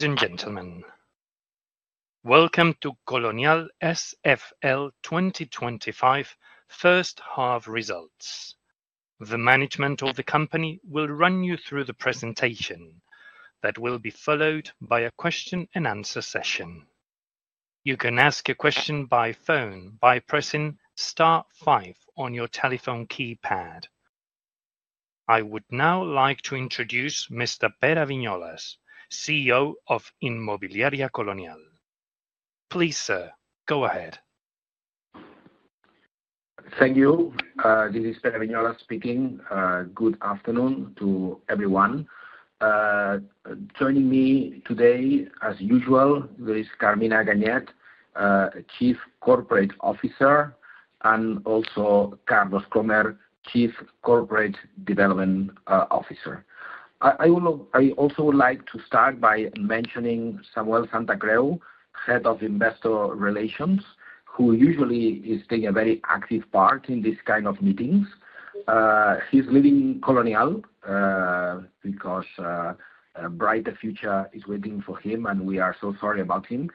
Ladies and gentlemen, welcome to Colonial SFL 2025 First Half Results. The management of the company will run you through the presentation that will be followed by a question and answer session. You can ask a question by phone by pressing star five on your telephone keypad. I would now like to introduce Mr. Pere Viñolas, CEO of Inmobiliaria Colonial. Please sir, go ahead. Thank you. This is Pere Viñolas speaking. Good afternoon to everyone. Joining me today as usual there is Carmina Ganyet, Chief Corporate Officer, and also Carlos Krohmer, Chief Corporate Development Officer. I also would like to start by mentioning Samuel Santacreu, Head of Investor Relations, who usually is taking a very active part in this kind of meetings. He's leaving Colonial because a brighter future is waiting for him and we are so sorry about him.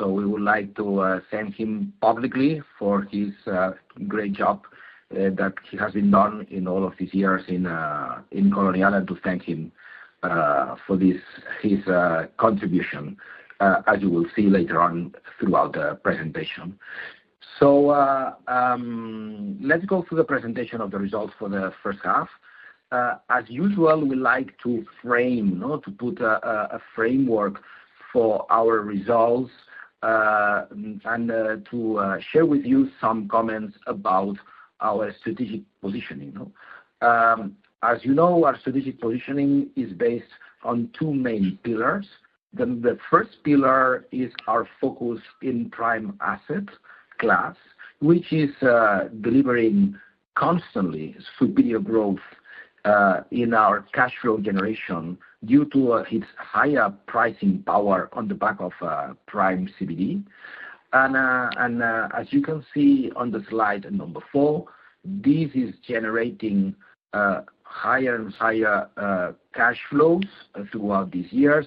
We would like to thank him publicly for his great job that has been done in Colonial, to thank him for his contribution as you will see later on throughout the presentation. Let's go through the presentation of the results for the first half as usual. We like to frame, to put a framework for our results and to share with you some comments about our strategic positioning. As you know, our strategic positioning is based on two main pillars. The first pillar is our focus in prime asset class, which is delivering constantly superior growth in our cash flow generation due to its higher pricing power on the back of prime CBD. As you can see on slide number four, this is generating higher and higher cash flows throughout these years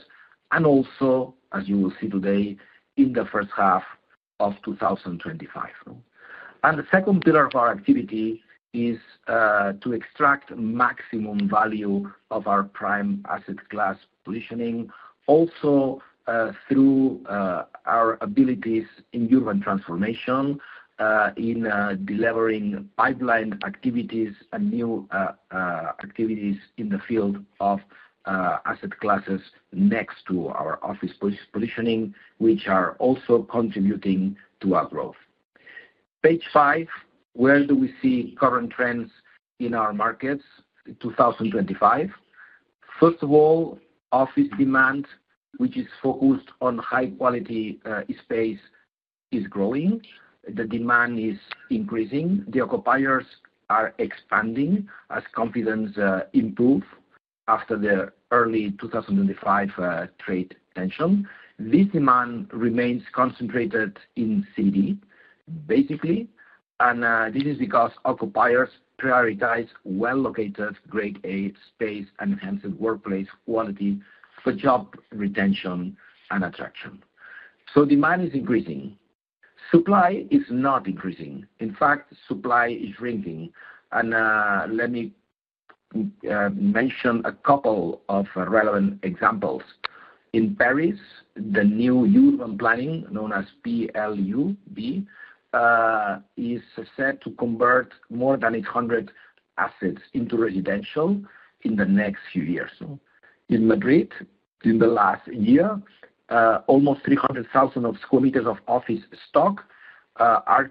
and also as you will see today in the first half of 2025. The second pillar of our activity is to extract maximum value of our prime asset class positioning also through our abilities in urban transformation, in delivering pipeline activities and new activities in the field of asset classes next to our office positioning, which are also contributing to our growth. Page five, where do we see current trends in our markets in 2025? First of all, office demand, which is focused on high quality space, is growing. The demand is increasing, the occupiers are expanding as confidence improves after the early 2025 trade tension. This demand remains concentrated in city, basically. This is because occupiers prioritize well-located grade A space and enhanced workplace quality for job retention and attraction. Demand is increasing, supply is not increasing. In fact, supply is shrinking. Let me mention a couple of relevant examples. In Paris, the new urban planning known as PLUB is set to convert more than 800 assets into residential in the next few years. In Madrid, in the last year, almost 300,000 square meters of office stock are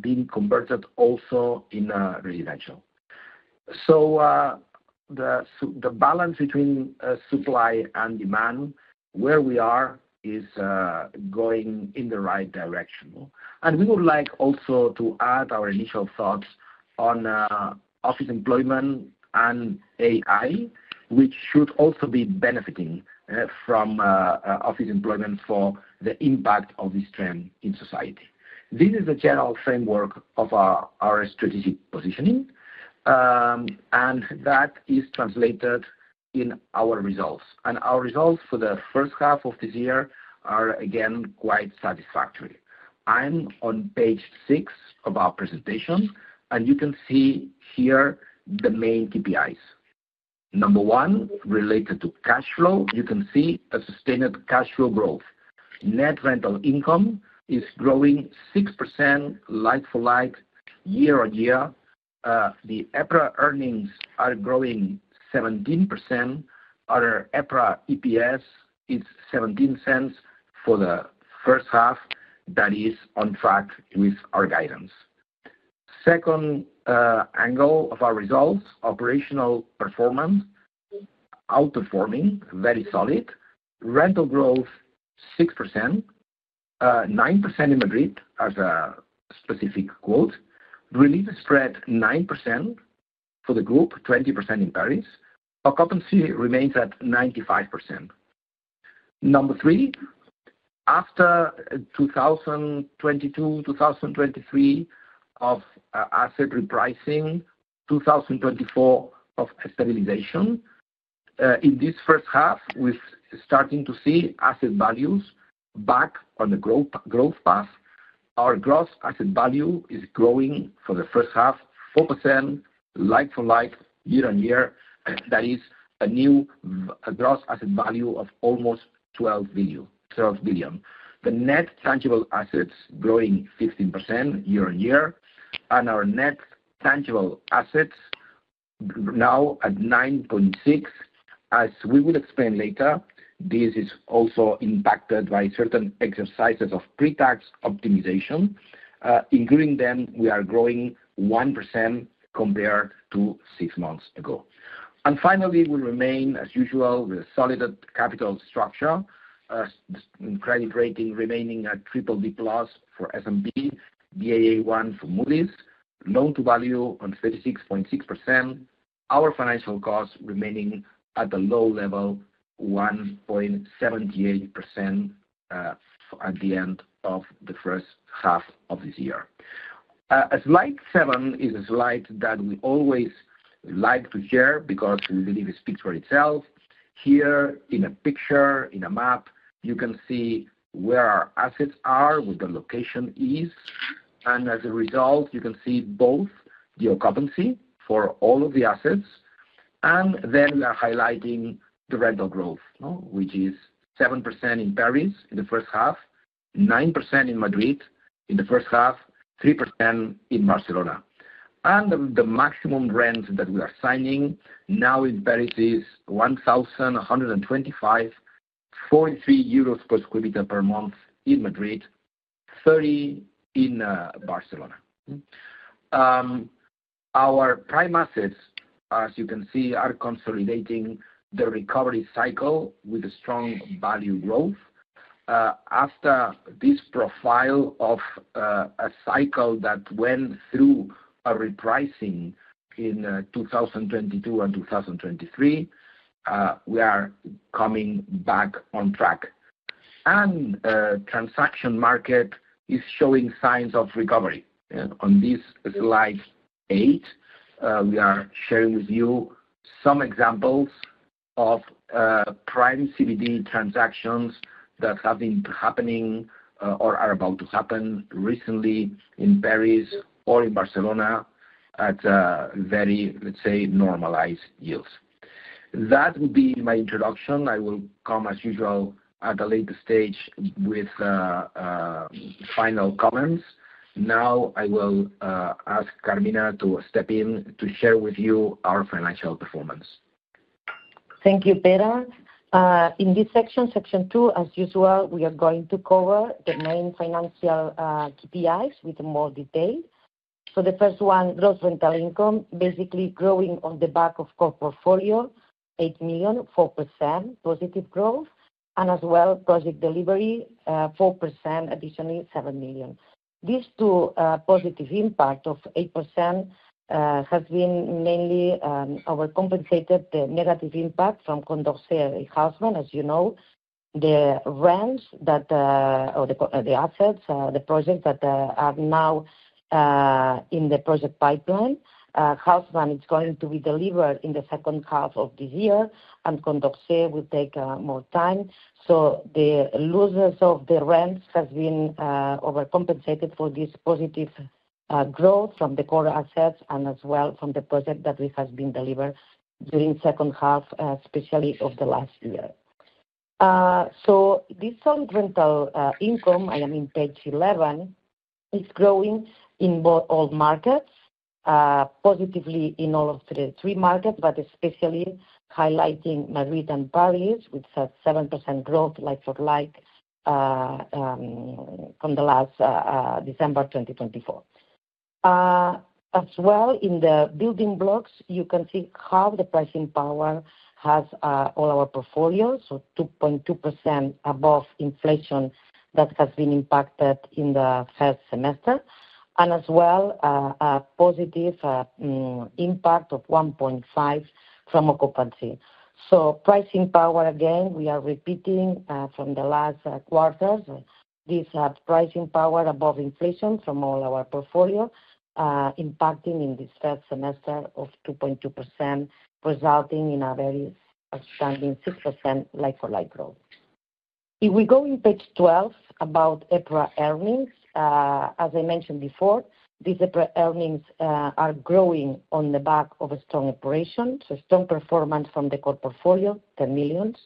being converted also into residential. The balance between supply and demand where we are is going in the right direction. We would like also to add our initial thoughts on office employment and AI, which should also be benefiting from office employment for the impact of this trend in society. This is the general framework of our strategic positioning, and that is translated in our results. Our results for the first half of this year are again quite satisfactory. I'm on page six of our presentation, and you can see here the main KPIs. Number one, related to cash flow, you can see a sustained cash flow growth. Net rental income is growing 6% like-for-like year-on-year. The EPRA earnings are growing 17%. Our EPRA EPS is $0.17 for the first half. That is on track with our guidance. Second angle of our results: Operational performance outperforming. Very solid. Rental growth, 6%, 9% in Madrid as a specific quote, relief spread 9% for the group, 20% in Paris. Occupancy remains at 95%. Number three, after 2022-2023 of asset repricing, 2024 of stabilization. In this first half, we're starting to see asset values back on the growth path. Our gross asset value is growing for the first half 4% like-for-like year-on-year. That is a new gross asset value of almost 12 billion. The net tangible assets growing 15% year-on-year, and our net tangible assets now at 9.6 billion. As we will explain later, this is also impacted by certain exercises of pre-tax optimization, including then we are growing 1% compared to six months ago. Finally, we remain as usual, solid capital structure, credit rating remaining at BBB+ for S&P, Baa1 for Moody's, loan-to-value on 36.6%. Our financial costs remaining at the low level, 1.78% at the end of the first half of this year. Slide seven is a slide that we always like to share because it speaks for itself. Here in a picture, in a map, you can see where our assets are, where the location is, and as a result, you can see both the occupancy for all of the assets, and then we are highlighting the rental growth, which is 7% in Paris in the first half, 9% in Madrid in the first half, 3% in Barcelona, and the maximum rent that we are signing now in Paris is 1,125, 43 euros per square meter per month in Madrid, 30, in Barcelona. Our prime assets, as you can see, are consolidating the recovery cycle with a strong value growth. After this profile of a cycle that went through a repricing in 2022 and 2023, we are coming back on track, and transaction market is showing signs of recovery. On this slide eight, we are sharing with you some examples of prime CBD transactions that have been happening or are about to happen recently in Paris or in Barcelona at very, let's say, normalized yields. That will be my introduction. I will come, as usual, at a later stage with final comments. Now I will ask Carmina to step in to share with you our financial performance. Thank you, Pere. In this section, section two, as usual we are going to cover the main financial KPIs with more detail. The first one, gross rental income, basically growing on the back of portfolio, $8 million, 4% positive growth, and as well project delivery, 4%, additionally, $7 million. These two positive impacts of 8% have been mainly overcompensated by the negative impact from Condorcet and Haussmann. As you know, the rents that the assets, the projects that are now in the project pipeline, house plan is going to be delivered in the second half of this year and Condorcet will take more time. The losses of the rents have been overcompensated by this positive growth from the core assets and as well from the project that has been delivered during the second half, especially of last year. This solid rental income, I am in page 11, is growing in all markets positively, in all three markets, but especially highlighting Madrid and Paris with 7% growth like-for-like from last December 2024. As well, in the building blocks, you can see how the pricing power has all our portfolios, so 2.2% above inflation that has been impacted in the first semester, and as well a positive impact of 1.5% from occupancy. Pricing power, again, we are repeating from the last quarters, this had pricing power above inflation from all our portfolio impacting in this first semester of 2.2%, resulting in a very outstanding 6% like-for-like growth. If we go in page 12 about EPRA earnings. As I mentioned before, these EPRA earnings are growing on the back of a strong operation. Strong performance from the core portfolio, $10 million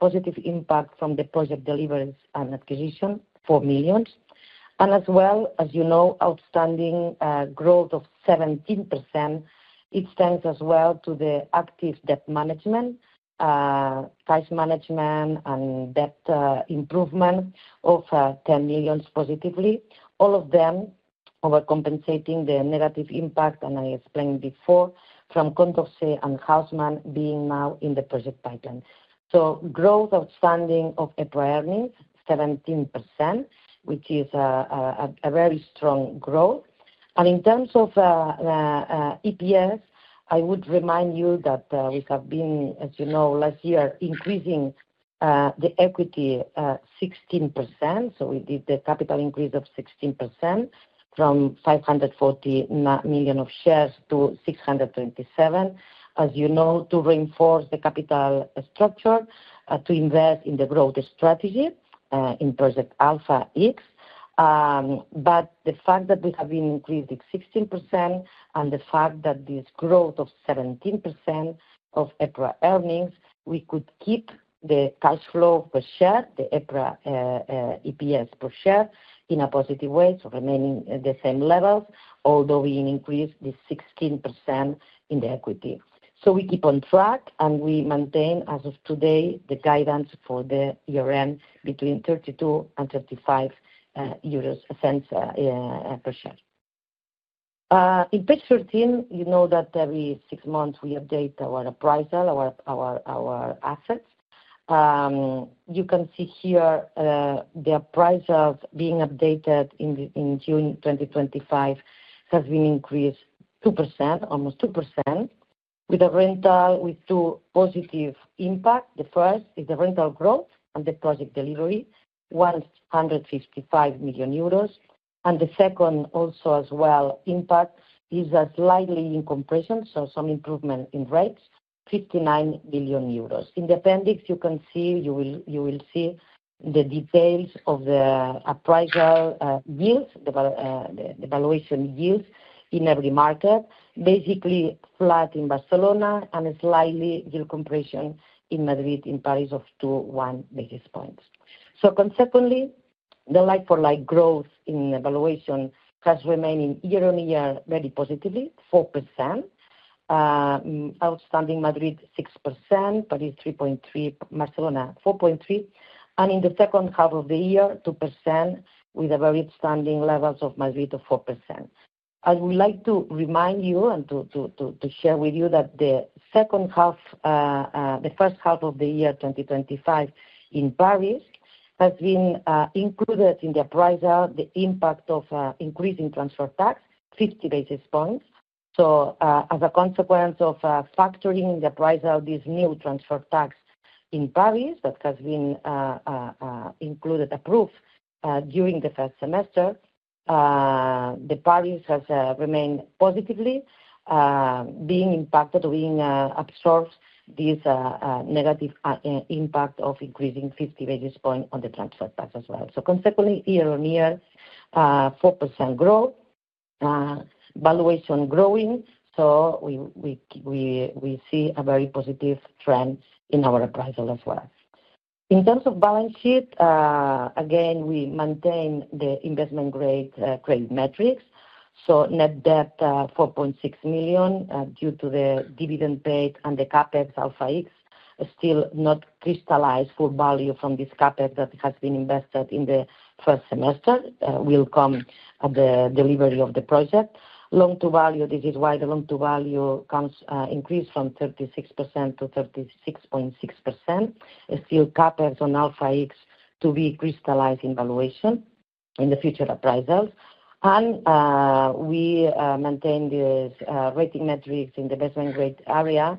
positive impact from the project deliveries and acquisition, $4 million, and as well as you know, outstanding growth of 17%. It thanks as well to the active debt management, cash management, and debt improvement of $10 million positively, all of them overcompensating the negative impact. I explained before from Condorcet and Haussmann being now in the project pipeline. Growth outstanding of EPRA earnings, 17%, which is a very strong growth. In terms of EPS, I would remind you that we have been, as you know, last year increasing the equity 16%. We did the capital increase of 16% from 540 million shares to 627, as you know, to reinforce the capital structure to invest in the growth strategy in project Alpha X. The fact that we have been increasing 16% and the fact that this growth of 17% of EPRA earnings, we could keep the cash flow per share, the EPRA EPS per share, in a positive way. Remaining at the same levels, although we increased the 16% in the equity. We keep on track and we maintain as of today the guidance for the year end between 0.32 and 0.35 per share. On page 13, you know that every six months we update our appraisal, our assets. You can see here the appraisal being updated in June 2025 has been increased 2%, almost 2%, with two positive impacts. The first is the rental growth and the project delivery, 155 million euros. The second also as well impact is a slight yield compression, so some improvement in rates, 59 billion euros. In the appendix, you can see the details of the appraisal yields. The valuation yields in every market are basically flat in Barcelona and a slight yield compression in Madrid and Paris of 2.1 basis points. Consequently, the like-for-like growth in valuation has remained year-on-year very positively, 4% outstanding, Madrid 6%, Paris 3.3%, Barcelona 4.3%. In the second half of the year, 2%, with very outstanding levels of Madrid of 4%. I would like to remind you and to share with you that the first half of the year 2025 in Paris has been included in the appraisal, the impact of increasing transfer tax 50 basis points. As a consequence of factoring the price of this new transfer tax in Paris that has been included, approved during the first semester, Paris has remained positively being impacted. We absorb this negative impact of increasing 50 basis points on the transfer tax as well. Consequently, year-on-year, 4% growth valuation growing. We see a very positive trend in our appraisal as well. In terms of balance sheet, again we maintain the investment grade credit metrics. Net debt 4.6 million due to the dividend paid and the CapEx Alpha X still not crystallized. Full value from this CapEx that has been invested in the first semester will come at the delivery of the project loan to value. This is why the loan-to-value comes increased from 36%-36.6%. Still CapEx on Alpha X to be crystallized in valuation in the future appraisals and we maintain the rating metrics in the investment grade area,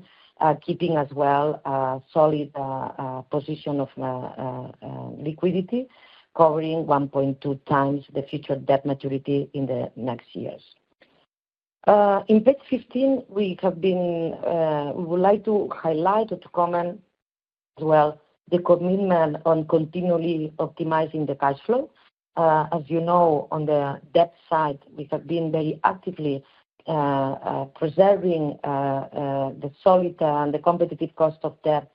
keeping as well solid position of liquidity covering 1.2 times the future debt maturity in the next years. In page 15 we have been we would like to highlight or to comment as well the commitment on continually optimizing the cash flow. As you know, on the debt side we have been very actively preserving the solid and the competitive cost of debt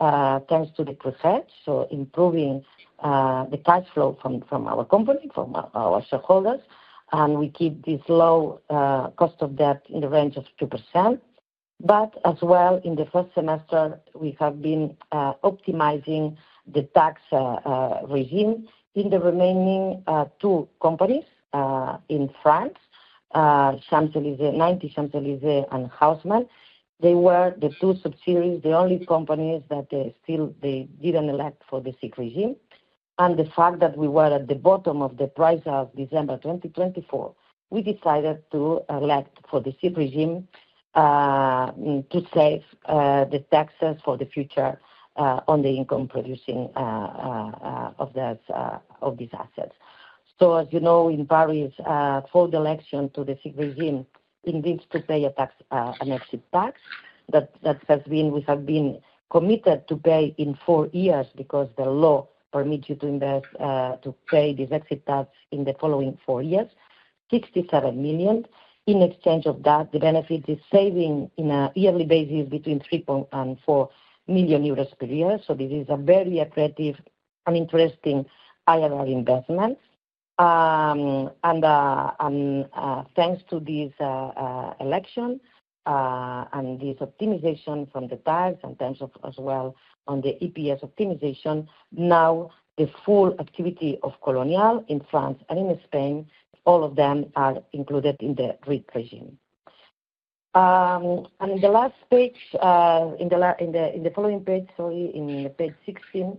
thanks to the pre-hedge. Improving the cash flow from our company, from our shareholders and we keep this low cost of debt in the range of 2%. As well in the first semester we have been optimizing the tax regime in the remaining two companies in France, 90 Champs-Élysées and Haussmann, they were the two subsidiaries, the only companies that still they didn't elect for the SIIC regime. The fact that we were at the bottom of the price of December 2024 we decided to elect for the SIIC regime to save the taxes for the future on the income producing of these assets. As you know in Paris for the election to the SIIC regime intends to pay a tax and exit tax that has been. We have been committed to pay in four years because the law permits you to invest to pay this exit tax in the following four years 67 million in exchange of that the benefit is saving in a yearly basis between 3.4 million euros per year. This is a very accretive and interesting IRR investment. Thanks to this election and this optimization from the tax and terms of as well on the EPS optimization, now the full activity of Colonial in France and in Spain all of them are included in the REIT regime. In the last page, in the following page, sorry, in page 16.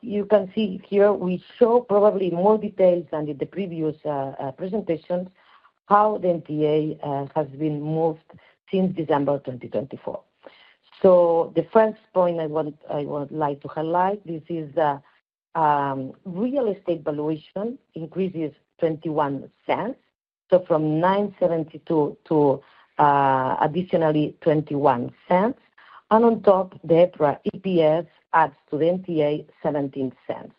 You can see here we show probably more details than in the previous presentations how the NTA has been moved since December 2024. The first point I would like to highlight is real estate valuation increases $0.21. From $9.72 to an additional $0.21. On top, the EPRA EPS adds to the NTA $0.17.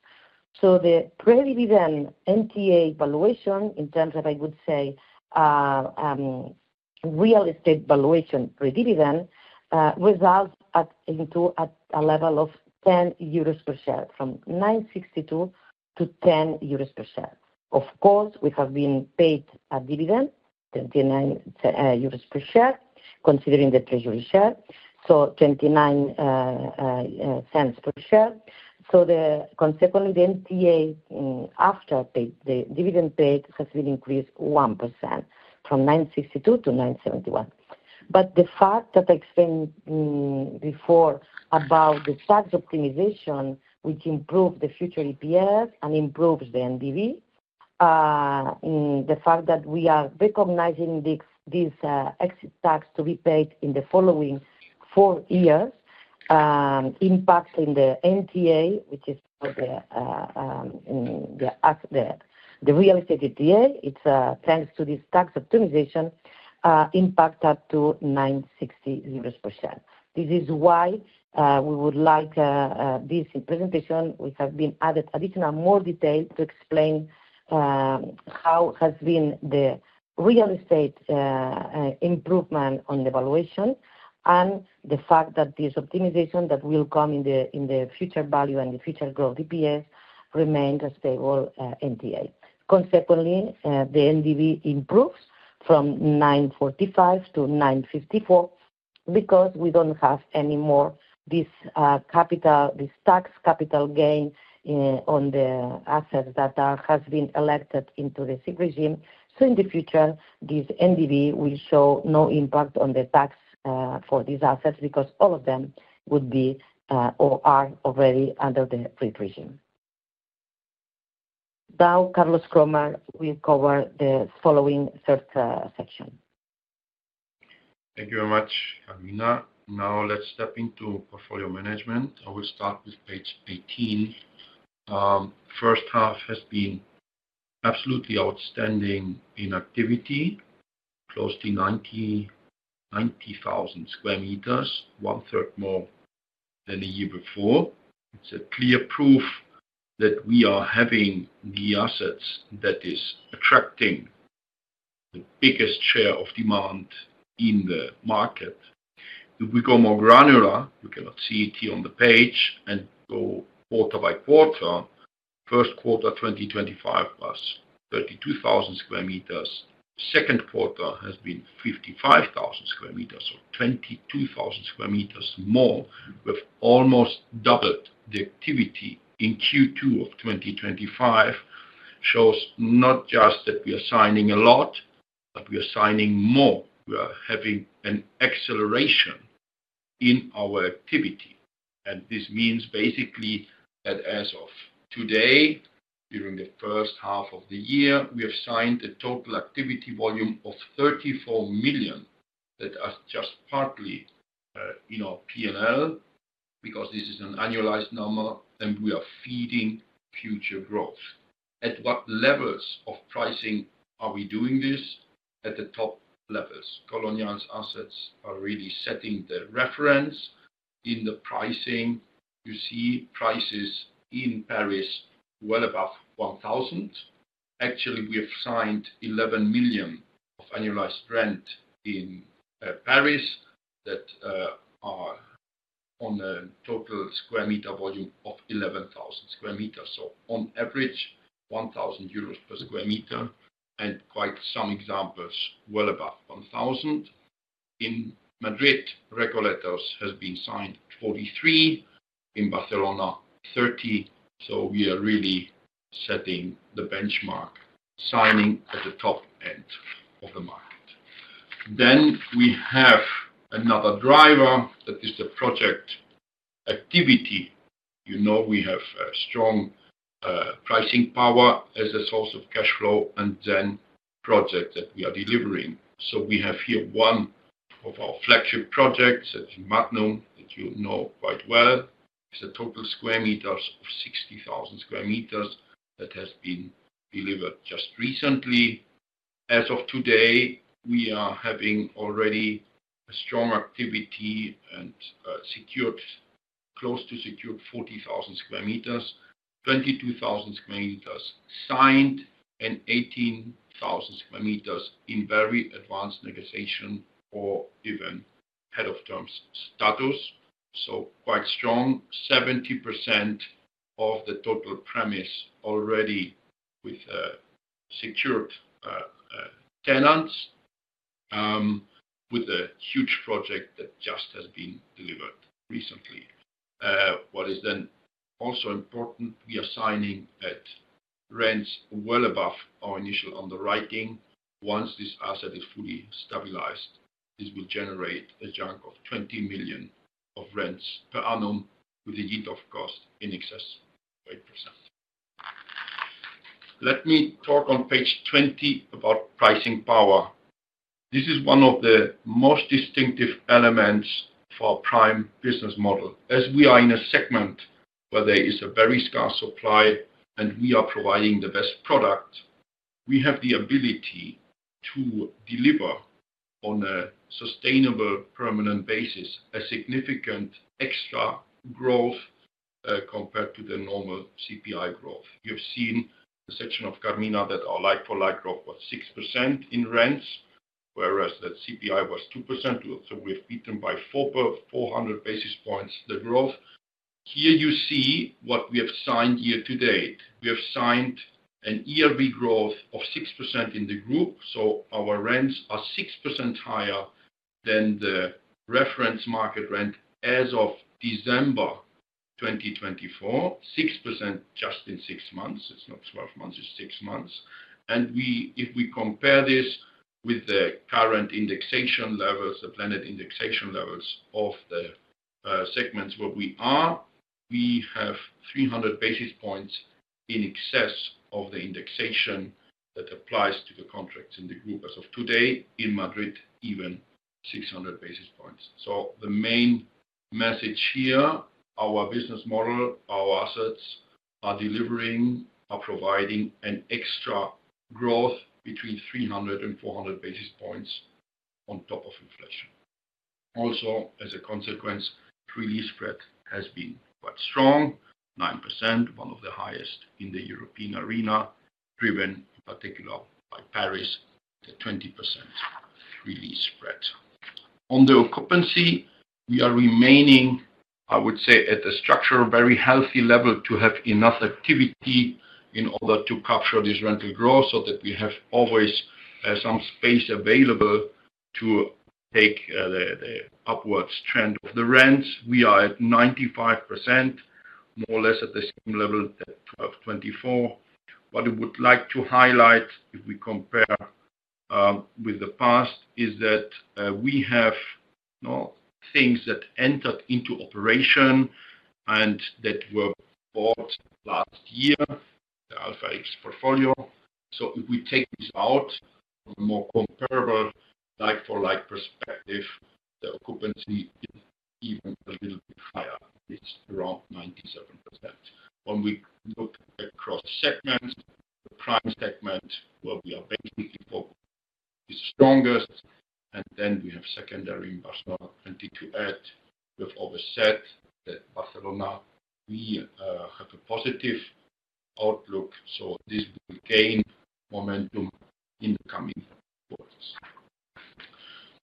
The pre-dividend NTA valuation in terms of real estate valuation pre-dividend results in a level of 10 euros per share, from 9.62-10 euros per share. Of course, we have been paid a dividend of 29 euros per share considering the treasury share, so $0.29 per share. Consequently, the NTA after the dividend paid has been increased 1% from 9.62 to 9.71. The fact that I explained before about the tax optimization, which improved the future EPS and improves the NDV, the fact that we are recognizing this exit tax to be paid in the following four years impacting the NTA, which is the real estate NTA. It's thanks to this tax optimization impact up to 9.60 euros per share. This is why we would like this presentation. We have added additional more detail to explain how has been the real estate improvement on the valuation and the fact that this optimization that will come in the future value and the future growth EPS remains a stable NTA. Consequently, the NDV improves from 9.45 to 9.54 because we don't have any more this tax capital gain on the assets that have been elected into the SIIC regime. In the future, this NDV will show no impact on the tax for these assets because all of them would be or are already under the free prism. Now Carlos Krohmer will cover the following third section. Thank you very much, Carmina. Now let's step into portfolio management. I will start with page 18. First half has been absolutely outstanding in activity, close to 90,000 square meters, one third more than the year before. It's a clear proof that we are having the assets that is attracting the biggest share of demand in the market. If we go more granular, you cannot see it here on the page and go quarter by quarter. First quarter 2025, plus 32,000 square meters. Second quarter has been 55,000 square meters, or 22,000 square meters more. We've almost doubled. The activity in Q2 of 2025 shows not just that we are signing a lot, but we are signing more. We are having an acceleration in our activity. This means basically that as of today, during the first half of the year, we have signed a total activity volume of 34 million that are just partly in our P&L because this is an annualized number and we are feeding future growth. At what levels of pricing are we doing this? At the top levels, Colonial's assets are really setting the reference in the pricing. You see prices in Paris well above 1,000. Actually, we have signed 11 million of annualized rent in Paris that are on a total square meter volume of 11,000 square meters. So on average, 1,000 euros per square meter and quite some examples well above 1,000. In Madrid, Recoletos have been signed at 43, in Barcelona, 30. We are really setting the benchmark, signing at the top end of the market. We have another driver, that is the project activity. We have strong pricing power as a source of cash flow and then project that we are delivering. We have here one of our flagship projects that you know quite well. It's a total of 60,000 square meters that has been delivered just recently. As of today, we are having already a strong activity and secured, close to secured, 40,000 square meters, 22,000 square meters signed and 18,000 square meters in very advanced negotiation or even head of terms status. Quite strong. 70% of the total premise already with secured tenants with a huge project that just has been delivered recently. What is also important? We are signing at rents well above our initial underwriting. Once this asset is fully stabilized, this will generate a chunk of 20 million of rents per annum with the yield of cost in excess of 8%. Let me talk on page 20 about pricing power. This is one of the most distinctive elements for prime business model as we are in a segment where there is a very scarce supply and we are providing the best product. We have the ability to deliver on a sustainable permanent basis a significant extra growth compared to the normal CPI growth. You have seen the section of Carmina that our like-for-like growth was 6% in rents, whereas that CPI was 2%. We've beaten by 400 basis points the growth. Here you see what we have signed year to date. We have signed an ERV growth of 6% in the group. Our rents are 6% higher than the reference market rent as of December 2024, 6% just in six months. It's not 12 months, it's six months. If we compare this with the current indexation levels, the planet indexation levels of the segments where we are, we have 300 basis points in excess of the indexation that applies to the contracts in the group as of today in Madrid, even 600 basis points. The main message here, our business model, our assets are delivering, are providing an extra growth between 300 and 400 basis points on top of inflation. Also as a consequence, free lease spread has been quite strong, 9%, one of the highest in the European arena, driven in particular by Paris, the 20% release spread. On the occupancy, we are remaining, I would say, at the structural very healthy level to have enough activity in order to capture this rental growth so that we have always some space available to take the upwards trend of the rents. We are at 95%, more or less at the same level as that of 2024. I would like to highlight, if we compare with the past, that we have things that entered into operation and that were bought last year, the Alpha X portfolio. If we take this out, more comparable like-for-like perspective, the occupancy is even a little bit higher. It's around 97%. When we look across segments, the prime segment where we are basically focused is strongest. Then we have secondary in Barcelona 22@. We've always said that Barcelona, we have a positive outlook. This will gain momentum in the coming quarters.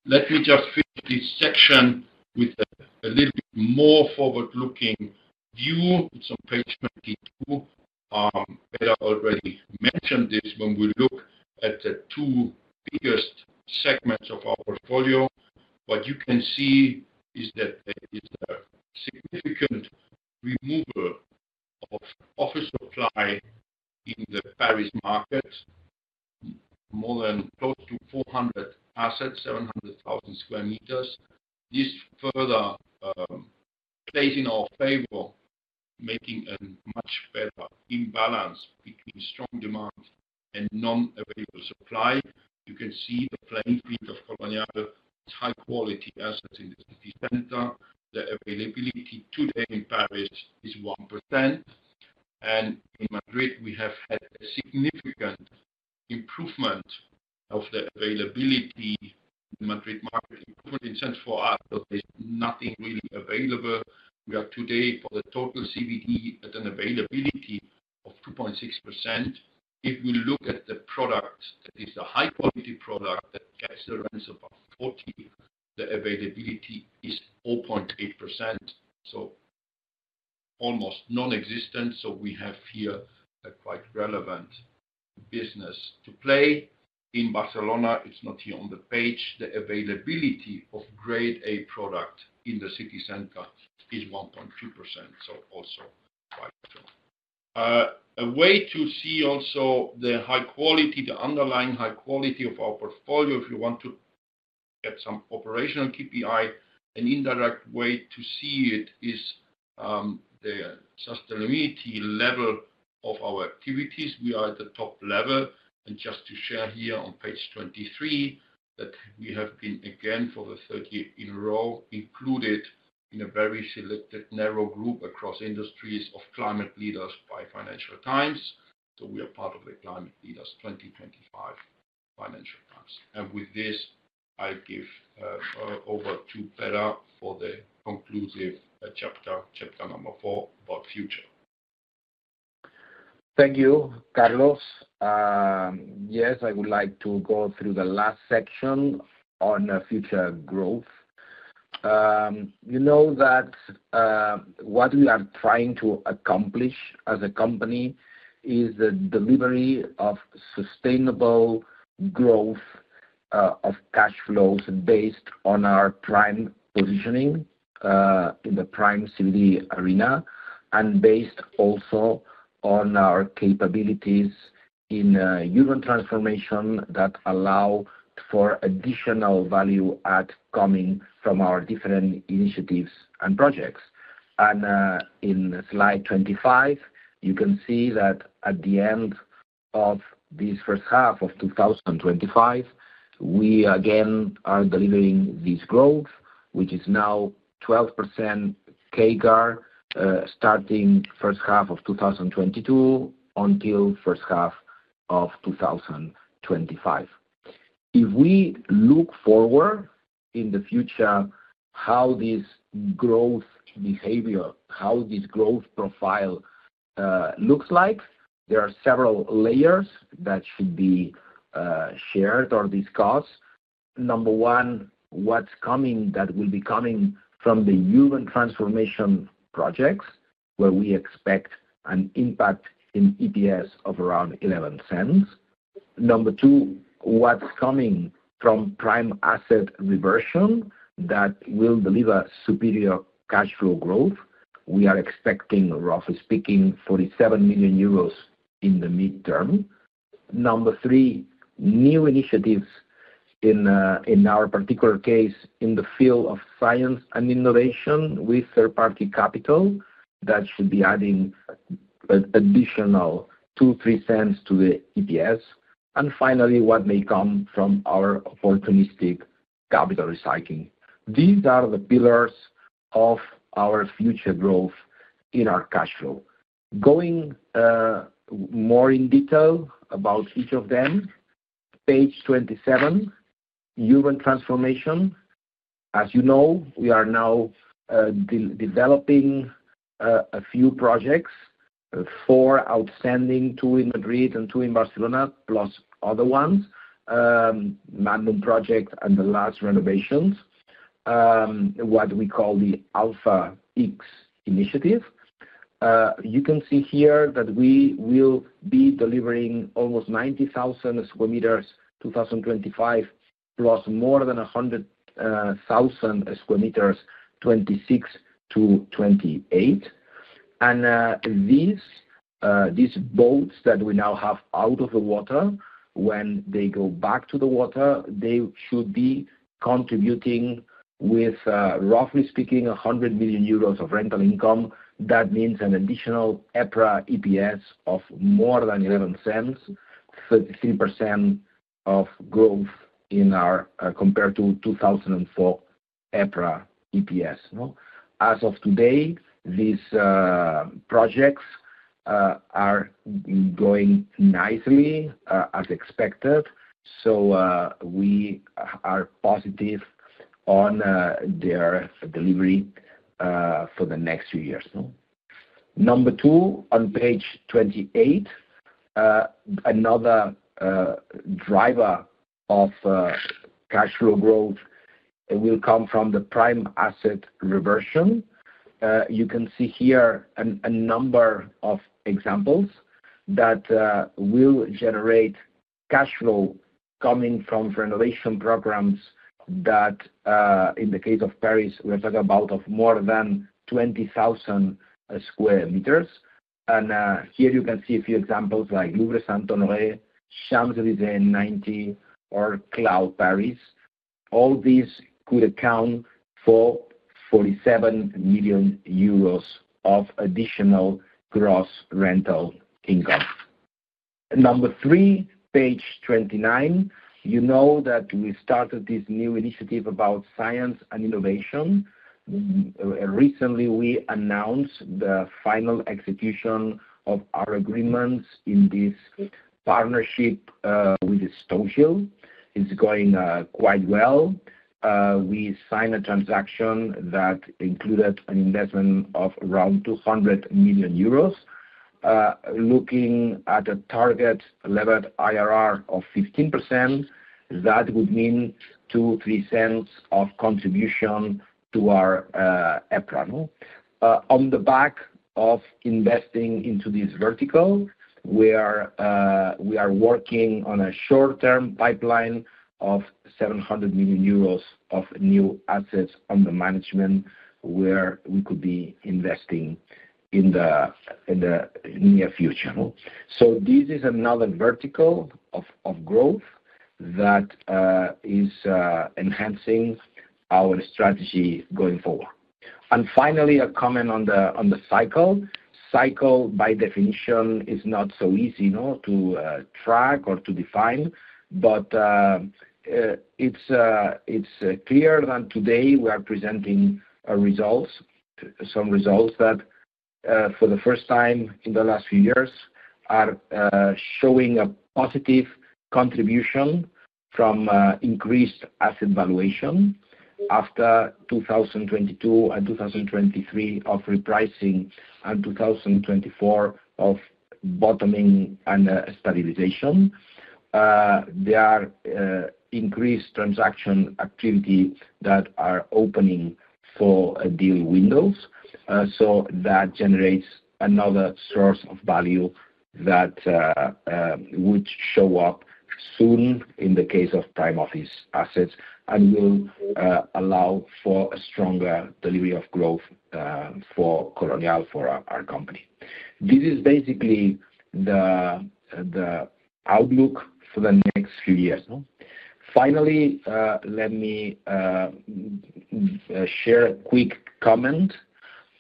Let me just finish this section with a little more forward-looking view. It's on page 22. Peter already mentioned this. When we look at the two biggest segments of our portfolio, what you can see is that there is a significant removal of office supply in the Paris market. More than close to 400 assets, 700,000 square meters. This further plays in our favor, making a much better imbalance between strong demand and non-available supply. You can see the playing field of Colonial. It's high quality assets in the city center. The availability today in Paris is 1%. In Madrid, we have had a significant improvement of the availability in Madrid marketing sense. For us, there is nothing really available. We are today for the total CBD at an availability of 2.6%. If we look at the product that is a high quality product that gets the rents above 40, the availability is 0.8%, so almost non-existent. We have here a quite relevant business to play in Barcelona. It's not here on the page. The availability of grade A product in the city center is 1.2%. Also, a way to see the high quality, the underlying high quality of our portfolio, if you want to get some operational KPI, an indirect way to see it is the sustainability level of our activities. We are at the top level. Just to share here on page 23, we have been again for the third year in a row included in a very selected narrow group across industries of climate leaders by Financial Times. We are part of the Climate Leaders 2025 Financial Times. With this, I give over to Pere for the conclusive chapter, chapter number four about future. Thank you, Carlos. Yes, I would like to go through the last section on future growth. You know that what we are trying to accomplish as a company is the delivery of sustainable growth of cash flows based on our prime positioning in the prime CBD arena and based also on our capabilities in urban transformation that allow for additional value add coming from our different initiatives and projects. In slide 25 you can see that at the end of this first half of 2025 we again are delivering this growth which is now 12% CAGR starting first half of 2022 until first half of 2025. If we look forward in the future, how this growth behavior, how this growth profile looks like. There are several layers that should be shared or discussed. Number one, what's coming that will be coming from the urban transformation projects where we expect an impact in EPS of around $0.11. Number two, what's coming from prime asset reversion that will deliver superior cash flow growth. We are expecting, roughly speaking, 47 million euros in the midterm. Number three, new initiatives in our particular case in the field of science and innovation with third party capital that should be adding additional $0.02-$0.03 to the EPS. Finally, what may come from our opportunistic capital recycling. These are the pillars of our future growth in our cash flow. Going more in detail about each of them. Page 27. Urban Transformation. As you know, we are now developing a few projects. Four outstanding. Two in Madrid and two in Barcelona. Plus other ones, Magnum project and the last renovations. What we call the Alpha X initiative. You can see here that we will be delivering almost 90,000 square meters in 2025 plus more than 100,000 square meters from 2026-2028. These boats that we now have out of the water, when they go back to the water, they should be contributing with, roughly speaking, 100 million euros of rental income. That means an additional EPRA EPS of more than $0.11, 33% of growth compared to 2004 EPRA EPS. As of today these projects are going nicely as expected. We are positive on their delivery for the next few years. Number two, on page 28 another driver of cash flow growth will come from the prime asset reversion. You can see here a number of examples that will generate cash flow coming from renovation programs that in the case of Paris we're talking about more than 20,000 square meters. Here you can see a few examples like Louvre Saint-Honoré, Champs-Élysées 90, or Cloud Paris. All these could account for 47 million euros of additional gross rental income. Number three, page 29. You know that we started this new initiative about science and innovation. Recently we announced the final execution of our agreements. This partnership with Stoneshield is going quite well. We signed a transaction that included an investment of around 200 million euros, looking at a target levered IRR of 15%. That would mean 0.023 of contribution to our EPRA earnings on the back of investing into this vertical. We are working on a short-term pipeline of 700 million euros of new assets under management where we could be investing in the near future. This is another vertical of growth that is enhancing our strategy going forward. Finally, a comment on the cycle. Cycle by definition is not so easy to track or to define, but it's clear that today we are presenting results, some results that for the first time in the last few years are showing a positive contribution from increased asset valuation after 2022 and 2023 of repricing and 2024 of bottoming and stabilization. There are increased transaction activity that are opening for deal windows. That generates another source of value that would show up soon in the case of time office assets and will allow for a stronger delivery of growth for Colonial, for our company. This is basically the outlook for the next few years. Finally, let me share a quick comment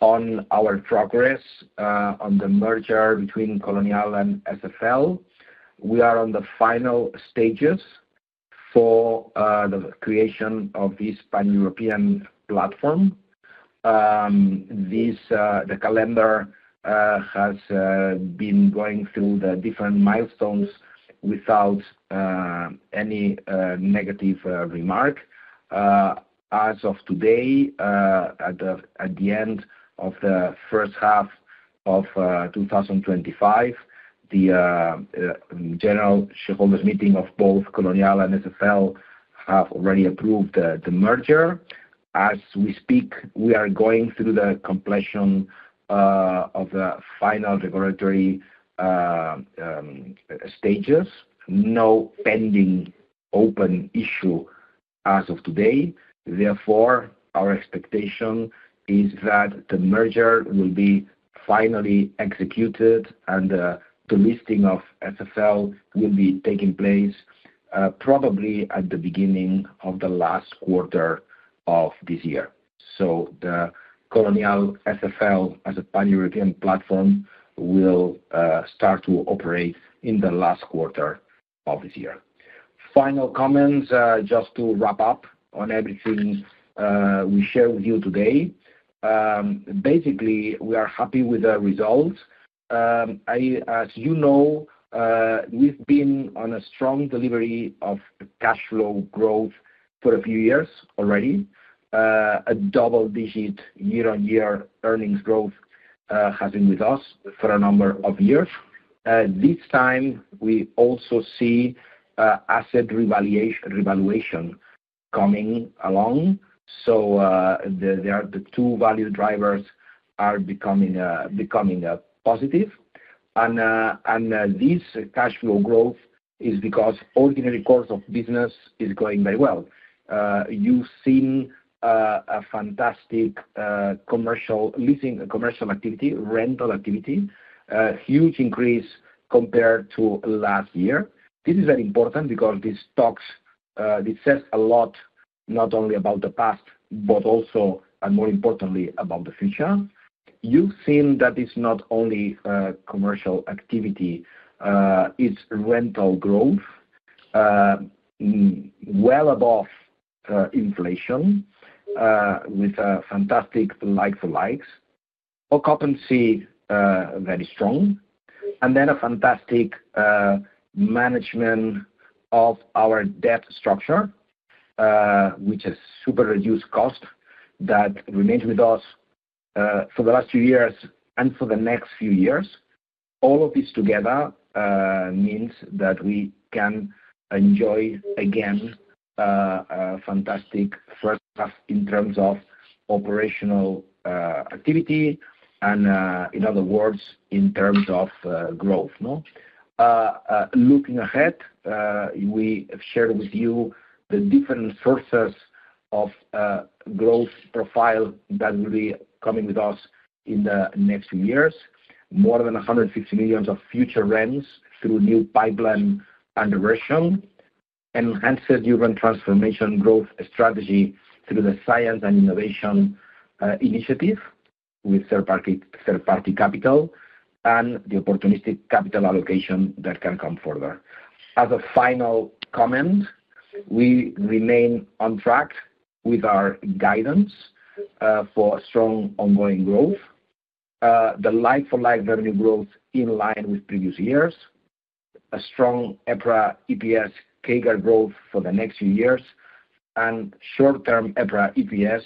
on our progress on the merger between Colonial and SFL. We are in the final stages for the creation of this pan-European platform. The calendar has been going through the different milestones without any negative remark. As of today, at the end of the first half of 2025, the general shareholders meeting of both Colonial and SFL have already approved the merger. As we speak, we are going through the completion of the final regulatory stages. No pending open issue as of today. Therefore, our expectation is that the merger will be finally executed and the listing of SFL will be taking place probably at the beginning of the last quarter of this year. The Colonial SFL as a pan-European platform will start to operate in the last quarter of this year. Final comments just to wrap up on everything we share with you today, basically we are happy with the results. As you know, we've been on a strong delivery of cash flow growth for a few years already. A double-digit year-on-year earnings growth has been with us for a number of years. This time we also see asset revaluation coming along. The two value drivers are becoming positive, and this cash flow growth is because ordinary course of business is going very well. You've seen fantastic commercial leasing, commercial activity, rental activity, huge increase compared to last year. This is very important because this talks, this says a lot not only about the past but also, and more importantly, about the future. You've seen that it's not only commercial activity, it's rental growth well above inflation with fantastic like-for-like occupancy, very strong, and then a fantastic management of our debt structure, which is super reduced cost that remains with us for the last few years and for the next few years. All of this together means that we can enjoy again a fantastic first half in terms of operational activity and, in other words, in terms of growth. Looking ahead, we have shared with you the different sources of growth profile that will be coming with us in the next few years. More than 150 million of future rents through new pipeline and version enhances urban transformation growth strategy through the Science and Innovation initiative with third-party capital and the opportunistic capital allocation that can come further. As a final comment, we remain on track with our guidance for strong ongoing growth, the like-for-like revenue growth in line with previous years, a strong EPRA EPS CAGR growth for the next few years, and short-term EPRA EPS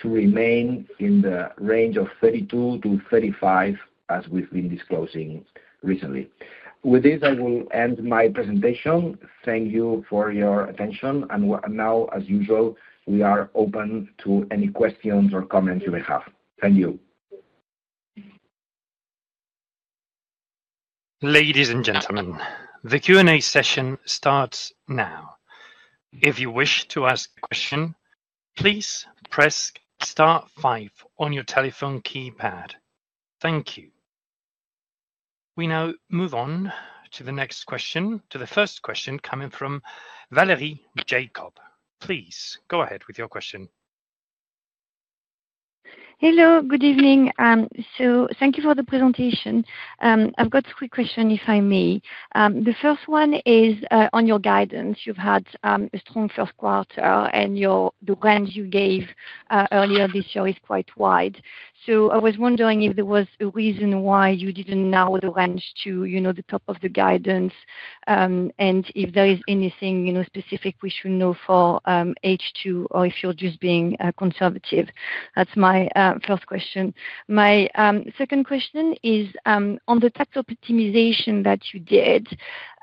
to remain in the range of 0.32-0.35 as we've been disclosing recently. With this, I will end my presentation. Thank you for your attention. Now, as usual, we are open to any questions or comments you may have. Thank you. Ladies and gentlemen, the Q&A session starts now. If you wish to ask a question, please press star five on your telephone keypad. Thank you. We now move on to the next question. To the first question coming from Valerie Jacob. Please go ahead with your question. Hello, good evening. Thank you for the presentation. I've got three questions, if I may. The first one is on your guidance. You've had a strong first quarter and the range you gave earlier this year is quite wide. I was wondering if there was a reason why you didn't narrow the range to the top of the guidance and if there is anything specific we should know for H2 or if you're just being conservative. That's my first question. My second question is on the tax optimization that you did.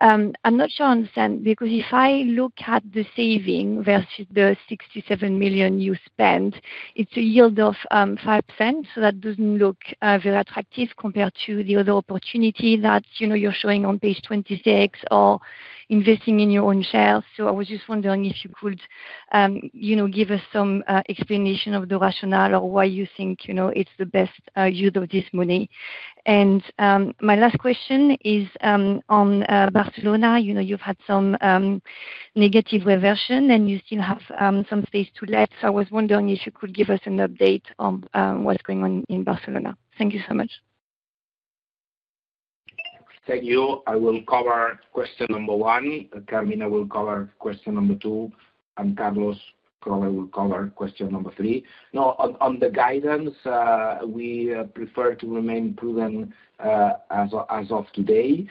I'm not sure because if I look at the saving versus the 67 million you spent, it's a yield of 5%. That doesn't look very attractive compared to the other opportunity that you're showing on page 26 or investing in your own share. I was just wondering if you could give us some explanation of the rationale or why you think it's the best use of this money. My last question is on Barcelona. You've had some negative reversion and you still have some space to let. I was wondering if you could give us an update on what's going on in Barcelona. Thank you so much. Thank you. I will cover question number one. Carmina will cover question number two and Carlos probably will cover question number three. Now, on the guidance, we prefer to remain prudent as of today.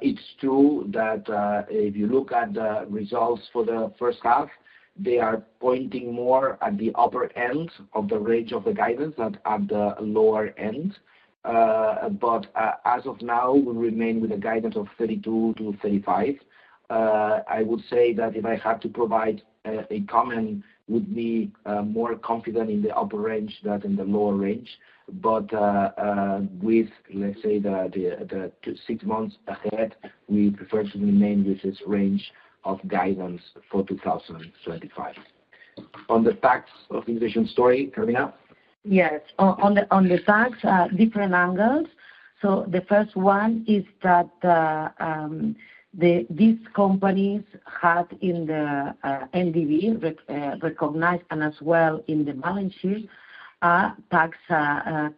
It's true that if you look at the results for the first half, they are pointing more at the upper end of the range of the guidance than the lower end. As of now, we remain with a guidance of 32-35. I would say that if I had to provide a comment, I would be more confident in the upper range than in the lower range. With six months, we prefer to remain with this range of guidance for 2025. On the tax optimization story, Carmina. Yes, on the tax different angles. The first one is that these companies had in the NDV recognized and as well in the balance sheet tax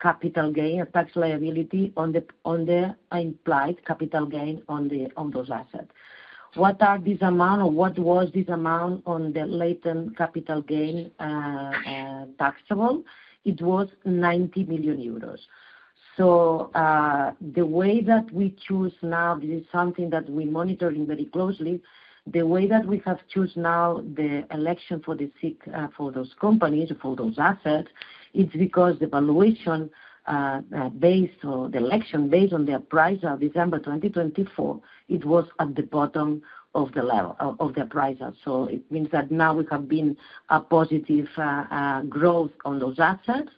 capital gain, a tax liability on the implied capital gain on those assets. What are these amount or what was this amount on the latent capital gain taxable? It was 90 million euros. The way that we choose now is something that we monitor very closely. The way that we have choose now the election for the SIIC regime for those companies, for those assets, it's because the valuation based on the election, based on the appraisal December 2024, it was at the bottom of the level of the appraisal. It means that now we have been a positive growth on those assets.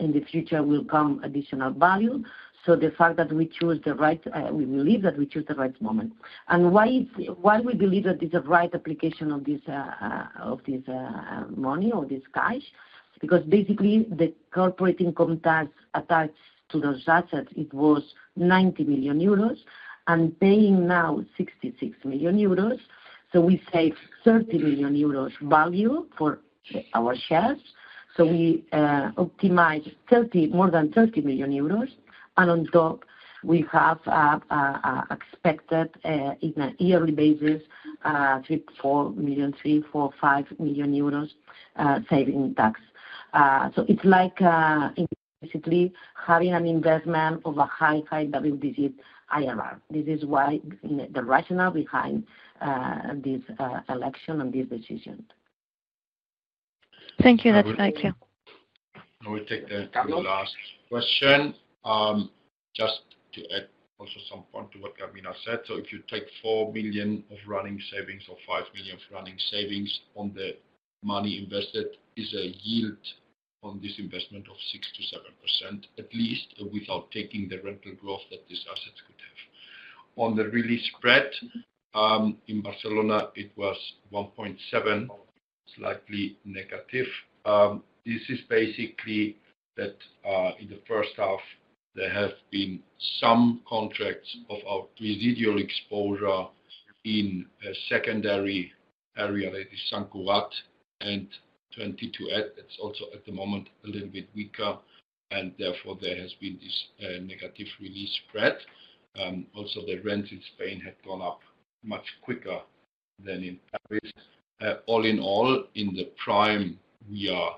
In the future will come additional value. The fact that we choose the right, we believe that we choose the right moment and why we believe that is the right application of this money or this cash because basically the corporate income tax attached to those assets, it was 90 million euros and paying now 66 million euros. We save 30 million euros value for our shares. We optimize more than 30 million euros. On top, we have expected in a yearly basis 4 million, 3, 4, 5 million euros saving tax. It's like basically having an investment of a high, high double-digit IRR. This is why the rationale behind this election and this decision. Thank you. That's very clear. I will take the last question just to add also some point to what Carmina said. If you take 4 million of running savings or 5 million of running savings on the money invested, it is a yield on this investment of 6%-7% at least, without taking the rental growth that these assets could have. On the release spread in Barcelona, it was 1.7, slightly negative. This is basically that in the first half there have been some contracts of our residual exposure in a secondary area, Sant Cugat and 22@. It's also at the moment a little bit weaker, and therefore there has been this negative release spread. Also, the rents in Spain had gone up much quicker than in Paris. All in all, in the prime we are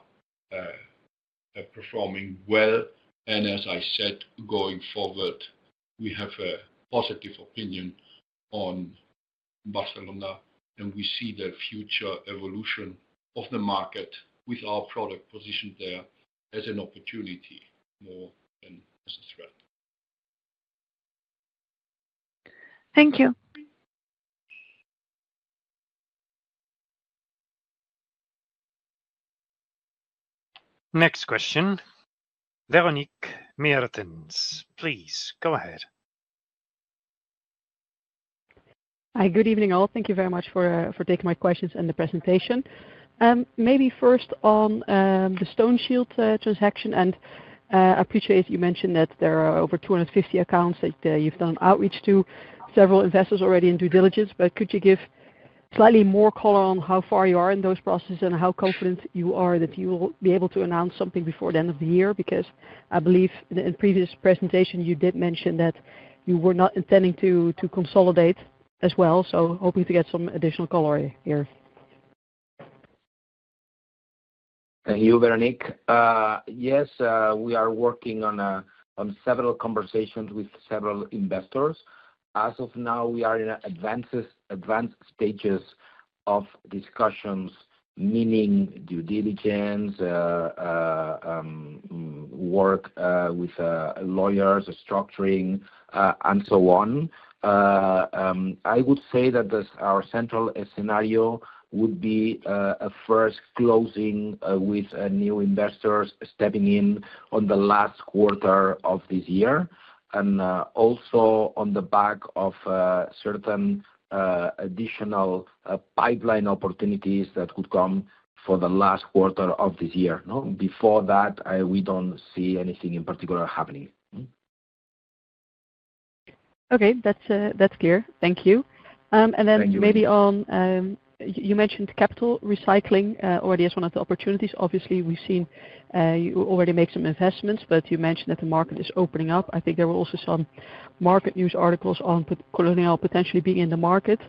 performing well. As I said, going forward we have a positive opinion on Barcelona and we see the future evolution of the market with our product positioned there as an opportunity more than a threat. Thank you. Next question. Veronik Miertens, please go ahead. Hi, good evening all. Thank you very much for taking my questions and the presentation. Maybe first on the Stoneshield transaction, and appreciate you mentioned that there are over 250 accounts that you've done outreach to, several investors already in due diligence. Could you give slightly more color on how far you are in those processes and how confident you are that you will be able to announce something before the end of the year? I believe in previous presentation you did mention that you were not intending to consolidate as well. Hoping to get some additional color here. Thank you, Veronik. Yes, we are working on several conversations with several investors. As of now, we are in advanced stages of discussions, meaning due diligence, work with lawyers, structuring, and so on. I would say that our central scenario would be a first closing with new investors stepping in on the last quarter of this year and also on the back of certain additional pipeline opportunities that could come for the last quarter of this year. Before that, we don't see anything in particular happening. Okay, that's clear. Thank you. You mentioned capital recycling already as one of the opportunities. Obviously we've seen you already make some investments, but you mentioned that the market is opening up. I think there were also some market news articles on Colonial potentially being in the market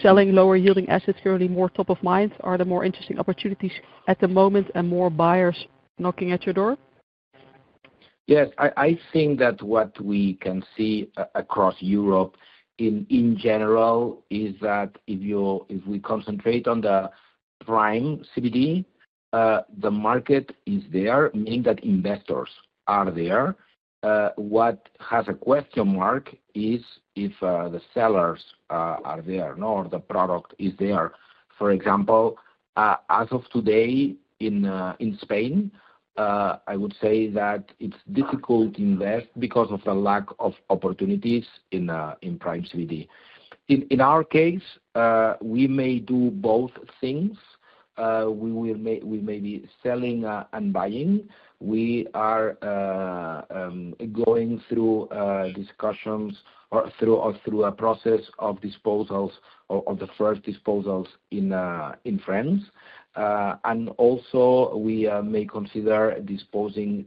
selling lower-yielding assets. Currently, more top of mind are the more interesting opportunities at the moment and more buyers knocking at your door? Yes, I think that what we can see across Europe in general is that if you, if we concentrate on the prime CBD, the market is there, meaning that investors are there. What has a question mark is if the sellers are there nor the product is there. For example, as of today in Spain, I would say that it's difficult to invest because of a lack of opportunities in prime CBD. In our case, we may do both things. We may be selling and buying. We are going through discussions or separate through a process of disposals of the first disposals in France. Also, we may consider disposing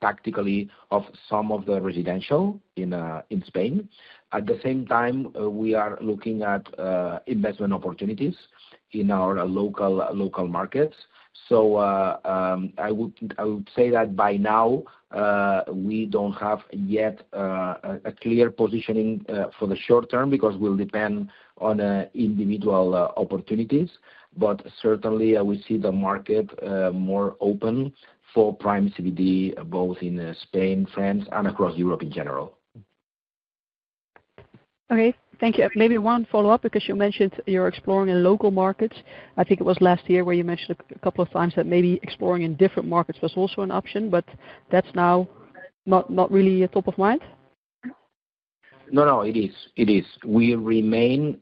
tactically of some of the residential in Spain. At the same time, we are looking at investment opportunities in our local markets. I would say that by now we don't have yet a clear positioning for the short term because we'll depend on individual opportunities. Certainly, we see the market more open for prime CBD both in Spain, France, and across Europe in general. Okay, thank you. Maybe one follow-up because you mentioned you're exploring in local markets. I think it was last year where you mentioned a couple of times that maybe exploring in different markets was also an option. That's now not really a top of mind? It is, it is. We remain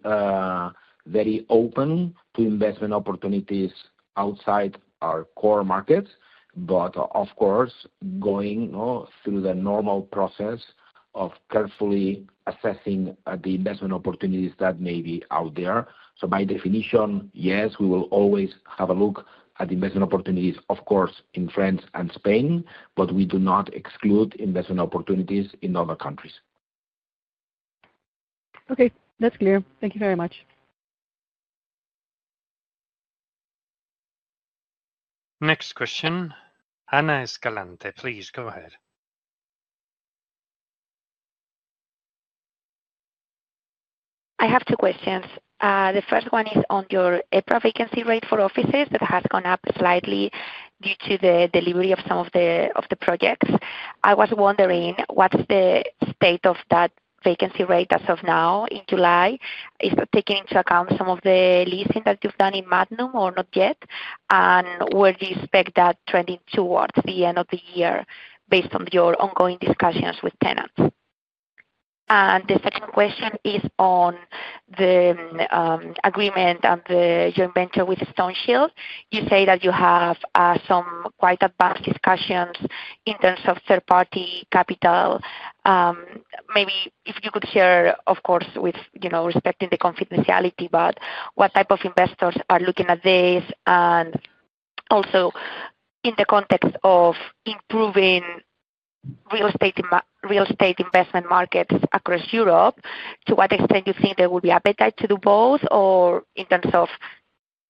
very open to investment opportunities outside our core markets, but of course going through the normal process of carefully assessing the investment opportunities that maybe are there. By definition, yes, we will always have a look at investment opportunities, of course, in France and Spain, but we do not exclude investment opportunities in other countries. Okay, that's clear. Thank you very much. Next question. Ana Escalante, please go ahead. I have two questions. The first one is on your EPRA vacancy rate for offices that has gone up slightly due to the delivery of some of the projects. I was wondering what's the state of that vacancy rate as of now in July? Is that taking into account some of the leasing that you've done in Magnum or not yet? Where do you expect that trending towards the end of the year based on your ongoing discussions with tenants? The second question is on the agreement and the joint venture with Stoneshield. You say that you have some quite advanced discussions in terms of third-party capital. Maybe if you could share, of course, with respecting the confidentiality, what type of investors are looking at this and also in the context of improving real estate investment markets across Europe, to what extent do you think there will be appetite to do both? In terms of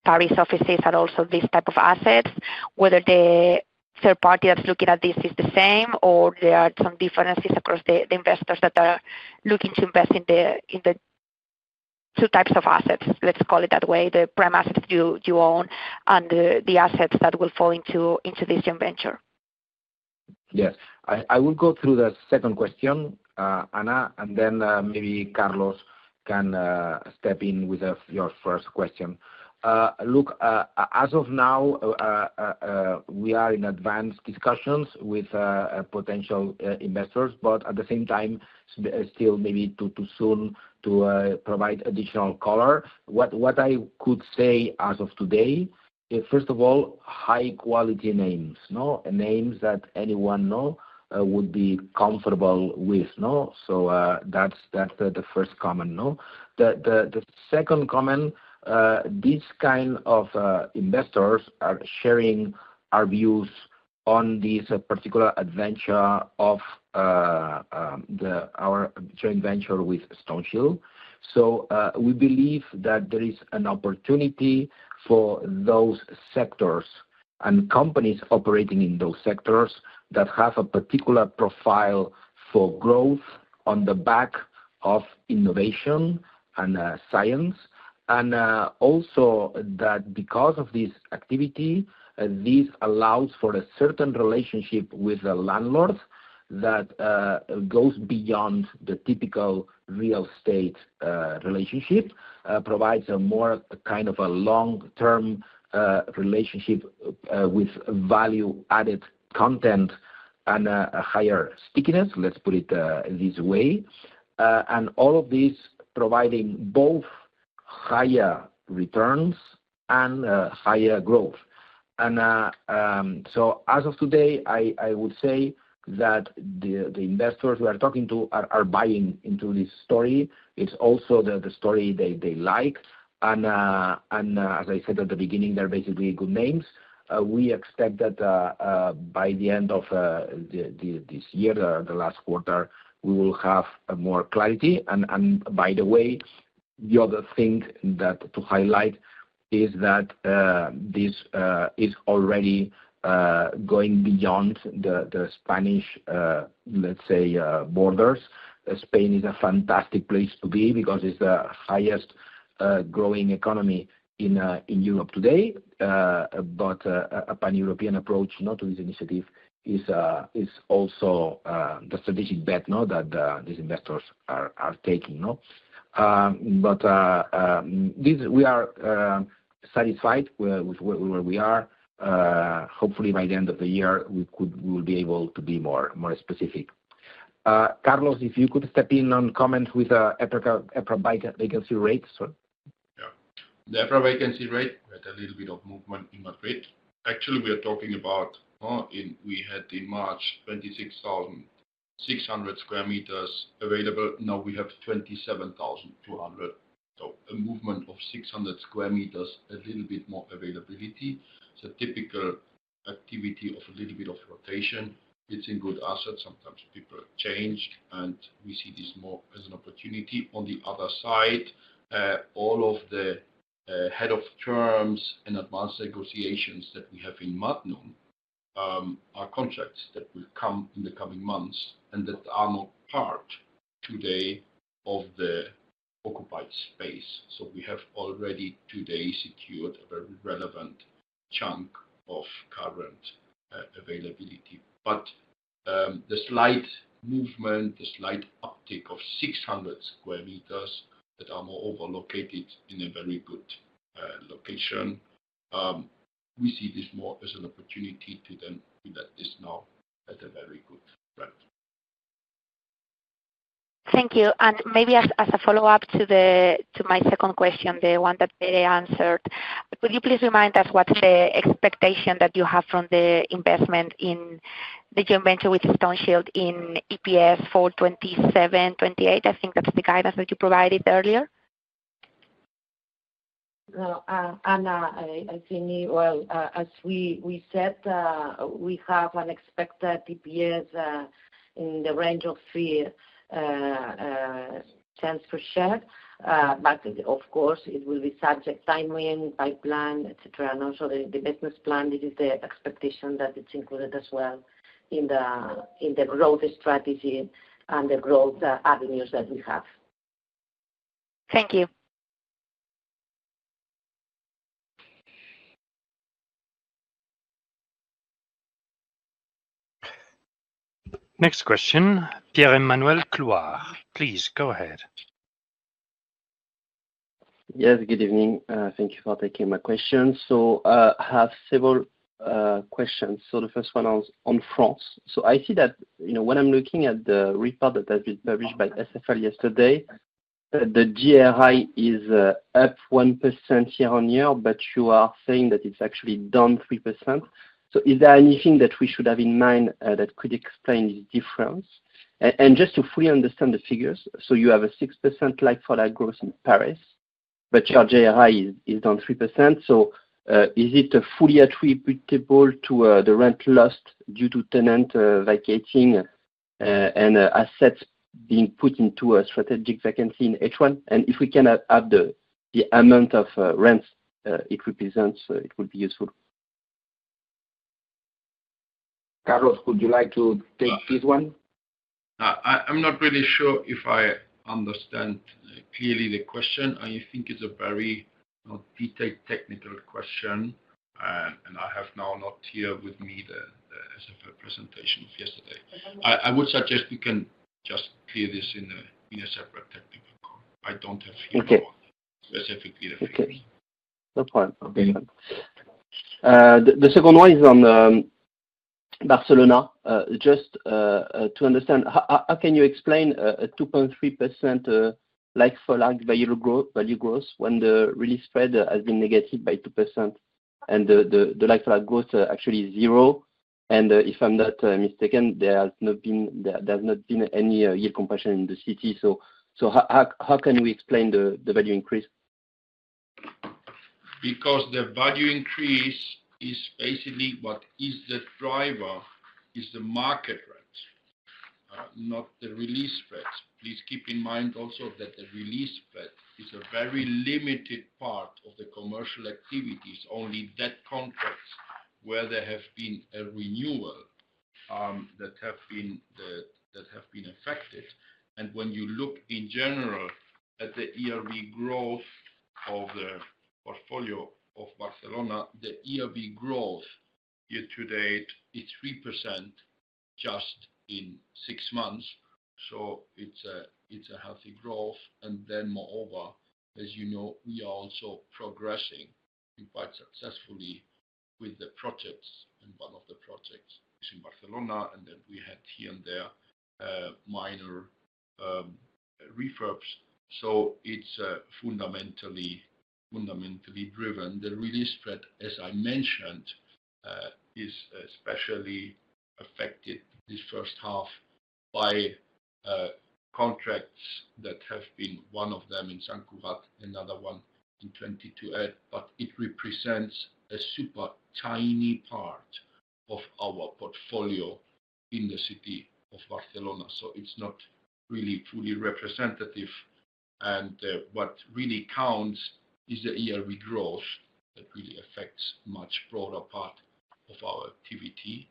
Paris offices and also these type of assets, whether the third party that's looking at this is the same, or there are some differences across the investors that are looking to invest in the two types of assets, let's call it that way, the premise you own and the assets that will fall into this joint venture. Yes, I will go through the second question, Anna, and then maybe Carlos can step in with your first question. As of now, we are in advanced discussions with potential investors, but at the same time still maybe too soon to provide additional color. What I could say as of today, first of all, high quality names, names that anyone would be comfortable with. That's the first comment. The second comment, these kind of investors are sharing our views on this particular adventure of our joint venture with Stoneshield. So, we believe that there is an opportunity for those sectors and companies operating in those sectors that have a particular profile for growth on the back of innovation and science. Also, because of this activity, this allows for a certain relationship with the landlords that goes beyond the typical real estate relationship, provides a more kind of a long-term relationship with value added content and a higher stickiness, let's put it this way. All of this providing both higher returns and higher growth. As of today I would say that the investors we are talking to are buying into this story. It's also the story they like and as I said at the beginning, they're basically good names. We expect that by the end of this year, the last quarter, we will have more clarity. By the way, the other thing to highlight is that this is already going beyond the Spanish, let's say, borders. Spain is a fantastic place to be because it's the highest growing economy in Europe today. A pan-European approach to this initiative is also the strategic bet that these investors are taking. We are satisfied with where we are. Hopefully by the end of the year we will be able to be more specific. Carlos, if you could step in on comments with the EPRA vacancy rates. The EPRA vacancy rate had a little bit of movement in Madrid. Actually, we are talking about we had in March 26,600 square meters available. Now we have 27,200, a movement of 600 square meters, a little bit more availability. Typical activity of a little bit of rotation. It's in good assets. Sometimes people change and we see this more as an opportunity on the other side. All of the head of terms and advanced negotiations that we have in Magnum are contracts that will come in the coming months and that are not part today of the occupied space. We have already today secured a very relevant chunk of current availability. The slight movement, the slight uptick of 600 square meters that are moreover located in a very good location, we see this more as an opportunity that is now at a very good rate. Thank you. Maybe as a follow-up to my second question, the one that Pere answered, could you please remind us what's the expectation that you have from the investment in the joint venture with Stoneshield in EPS for 2027, 2028? I think that's the guidance that you provided earlier. Ana, as we said, we have an expected EPS in the range of $0.03 per share. Of course, it will be subject to timing, pipeline, et cetera, and also the business plan. It is the expectation that it's included as well in the growth strategy and the growth avenues that we have. Thank you. Next question. Pierre Emmanuel Clouard, please go ahead. Yes, good evening. Thank you for taking my question. I have several questions. The first one is on France. I see that when I'm looking at the report that has been published by SFL yesterday, the GRI is up 1% year-on-year, but you are saying that it's actually down 3%. Is there anything that we should have in mind that could explain this difference? Just to fully understand the figures, you have a 6% like-for-like growth in Paris, but your GRI is down 3%. Is it fully attributable to the rent lost due to tenant vacating and assets being put into a strategic vacancy in H1? If we can add the amount of rents it represents, it would be useful. Carlos, would you like to take this one? I'm not really sure if I understand clearly the question. I think it's a very detailed technical question, and I have now not here with me the SFL presentation of yesterday. I would suggest we can just clear this in a separate technical. I don't have specifically the future. No problem. The second one is on Barcelona. Just to understand, how can you explain a 2.3% like-for-like value growth when the release spread has been negative by 2% and the like-for-like growth actually is zero? If I'm not mistaken, there has not been any yield compression in the city. How can we explain the value increase? Because the value increase is basically what is the driver is the market rent, not the release spread. Please keep in mind also that the release spread is a very limited part of the commercial activities. Only those contracts where there have been a renewal that have been affected. When you look in general at the ERB growth of the portfolio of Barcelona, the ERB growth year to date is 3% just in six months. It's a healthy growth. Moreover, as you know, we are also progressing quite successfully with the projects and one of the projects in Barcelona, and then we had here and there minor refurbs. It's fundamentally driven. The release spread, as I mentioned, is especially affected this first half by contracts that have been one of them in Sant Cugat, another one in 22@, but it represents a super tiny part of our portfolio in the city of Barcelona. It's not really fully representative. What really counts is the ERV growth that really affects a much broader part of our activity.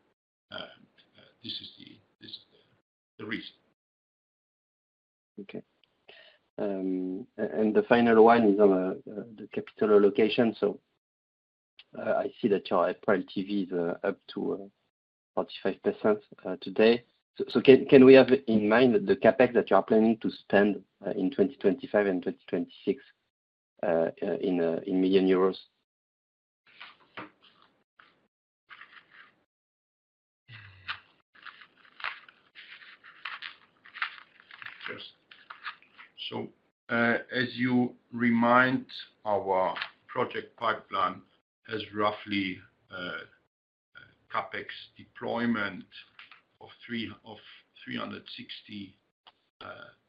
This is the reason. Okay, the final one is on the capital allocation. I see that your EPRA LTV is up to 45% today. Can we have in mind the CapEx that you are planning to spend in 2025 and 2026 in million euros? As you remind, our project pipeline has roughly CapEx deployment of 360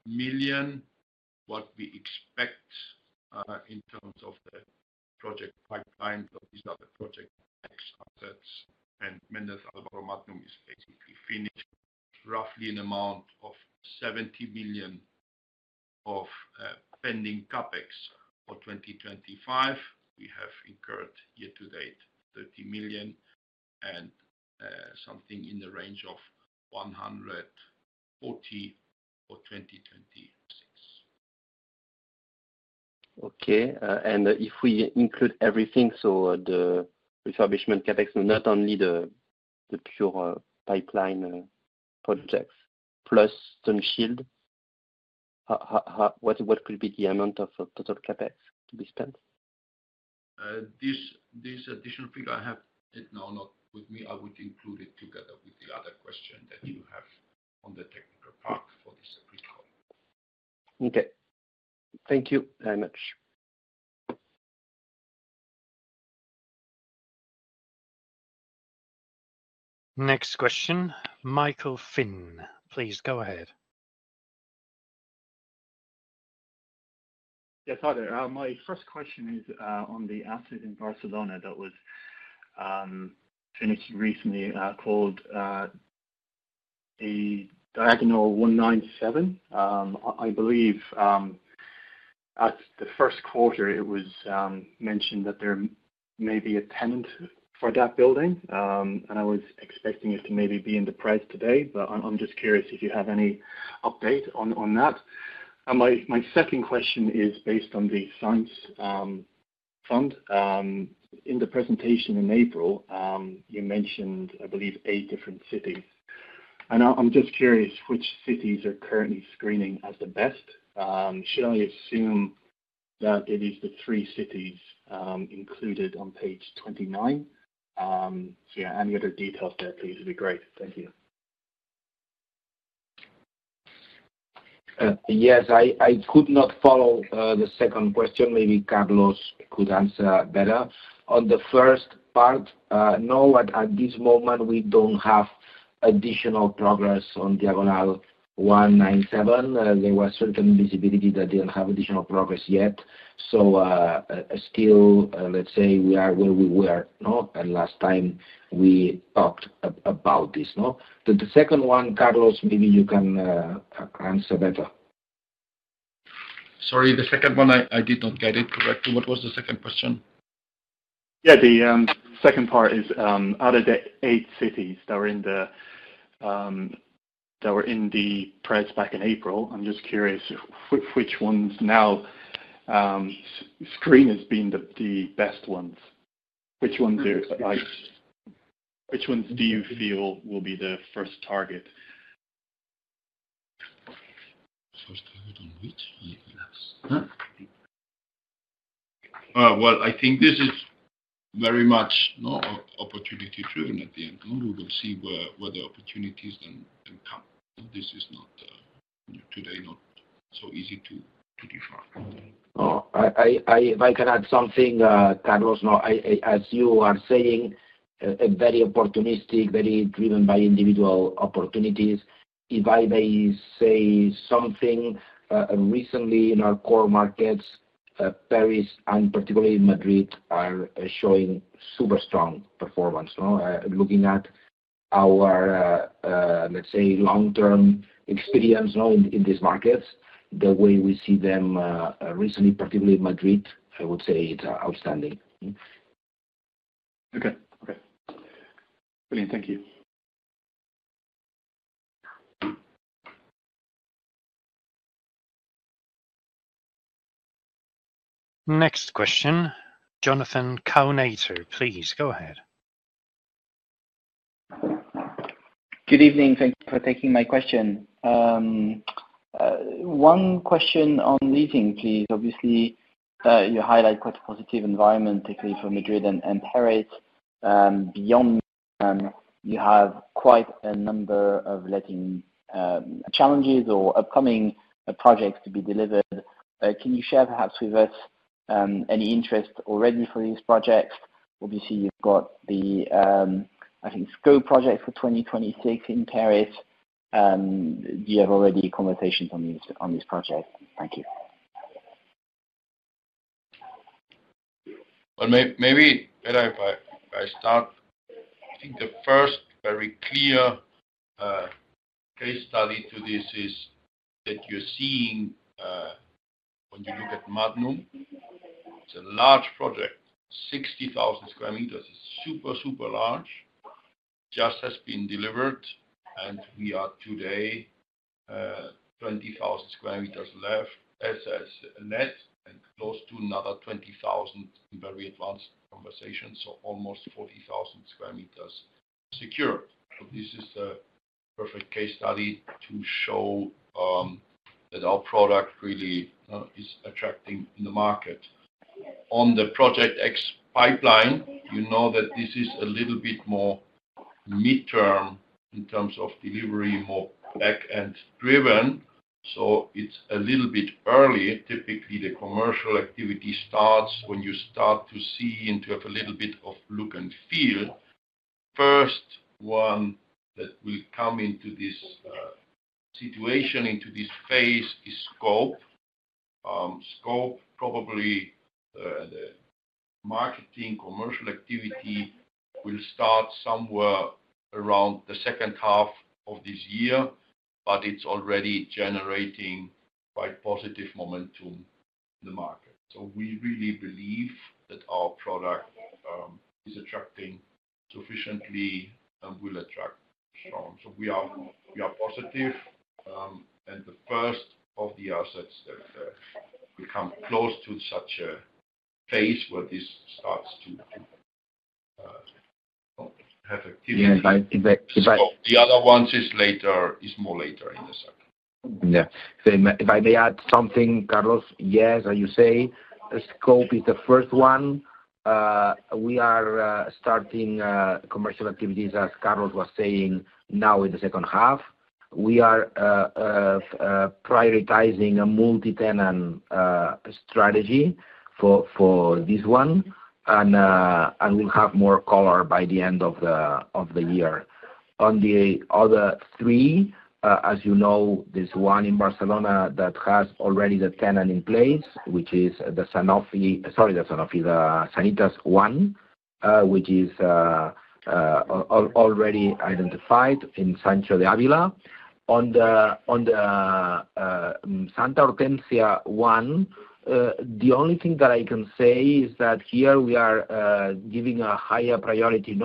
million. What we expect in terms of the project pipeline: these are the Project X assets, and Méndez Álvaro Magnum is basically finished. Roughly an amount of 70 million of pending CapEx for 2025. We have incurred year to date 30 million and something in the range of 140 million for 2026. Okay, if we include everything, the refurbishment CapEx, not only the pure pipeline projects plus Stoneshield, what could be the amount of total CapEx to be spent? This additional figure, I have it now not with me. I would include it together with the other question that you have on the technical part for this call. Okay, thank you very much. Next question. Michael Finn, please go ahead. Yes, hi there. My first question is on the asset in Barcelona that was finished recently called the Diagonal 197. I believe at the first quarter it was mentioned that there may be a tenant for that building and I was expecting it to maybe be in the press today. I'm just curious if you have any update on that. My second question is based on the science fund. In the presentation in April you mentioned I believe eight different cities and I'm just curious which cities are currently screening as the best. Should I assume that it is the three cities included on page 29? Any other details there please would be great. Thank you. I could not follow the second question. Maybe Carlos could answer that better. On the first part, no, at this moment we don't have additional progress on Diagonal 197. There was certain visibility that didn't have additional progress yet. Let's say we are where we were last time we talked about this. The second one, Carlos, maybe you can answer better. Sorry, the second one, I did not get it correctly. What was the second question? Yeah, the second part is out of the eight cities that were in the press back in April, I'm just curious which ones now screen as the best ones. Which ones? Which ones do you feel will be the first target? I think this is very much opportunity-driven. At the end, we will see where the opportunities come. This is not today, not so easy to define. If I can add something, Carlos, as you are saying, very opportunistic, very driven by individual opportunities. If I may say something, recently in our core markets, Paris and particularly Madrid are showing super strong performance. Looking at our, let's say, long term experience in these markets, the way we see them recently, particularly Madrid, I would say it's outstanding. Okay. Okay, brilliant. Thank you. Next question. Jonathan Kownator, please go ahead. Good evening. Thank you for taking my question. One question on leasing, please. Obviously, you highlight quite a positive environment. Particularly for Madrid and Paris beyond, you have quite a number of letting challenges or upcoming projects to be delivered. Can you share perhaps with us any interest already for these projects? Obviously you've got the, I think, scope project for 2026 in Paris. Do you have already conversations on this project? Thanks. Maybe I start. I think the first very clear case study to this is that you're seeing when you look at Magnum. It's a large project, 60,000 square meters, super, super large. Just has been delivered and we are today 20,000 square meters left [SS net] and close to another 20,000 very advanced conversations. So almost 40,000 square meters secured. This is a perfect case study to show that our product really is attracting in the market on the Project X pipeline. You know that this is a little bit more midterm in terms of delivery, more back end driven. It's a little bit early. Typically the commercial activity starts when you start to see and to have a little bit of look and feel. First one that will come into this situation, into this phase is scope. Scope. Probably the marketing commercial activity will start somewhere around the second half of this year, but it's already generating quite positive momentum in the market. We really believe that our product is attracting sufficiently and will attract strong. We are positive. The first of the assets that we come close to such a phase, where this starts, the other ones is later, is more later in a second. If I may add something, Carlos. Yes. As you say, scope is the first one. We are starting commercial activities, as Carlos was saying. Now in the second half we are prioritizing a multi-tenant start strategy for this one, and we'll have more color by the end of the year. On the other three, as you know, there's one in Barcelona that already has the tenant in place, which is the Sanitas one, which is already identified in Sancho de Avila. On the Santa Hortensia one, the only thing that I can say is that here we are giving a higher priority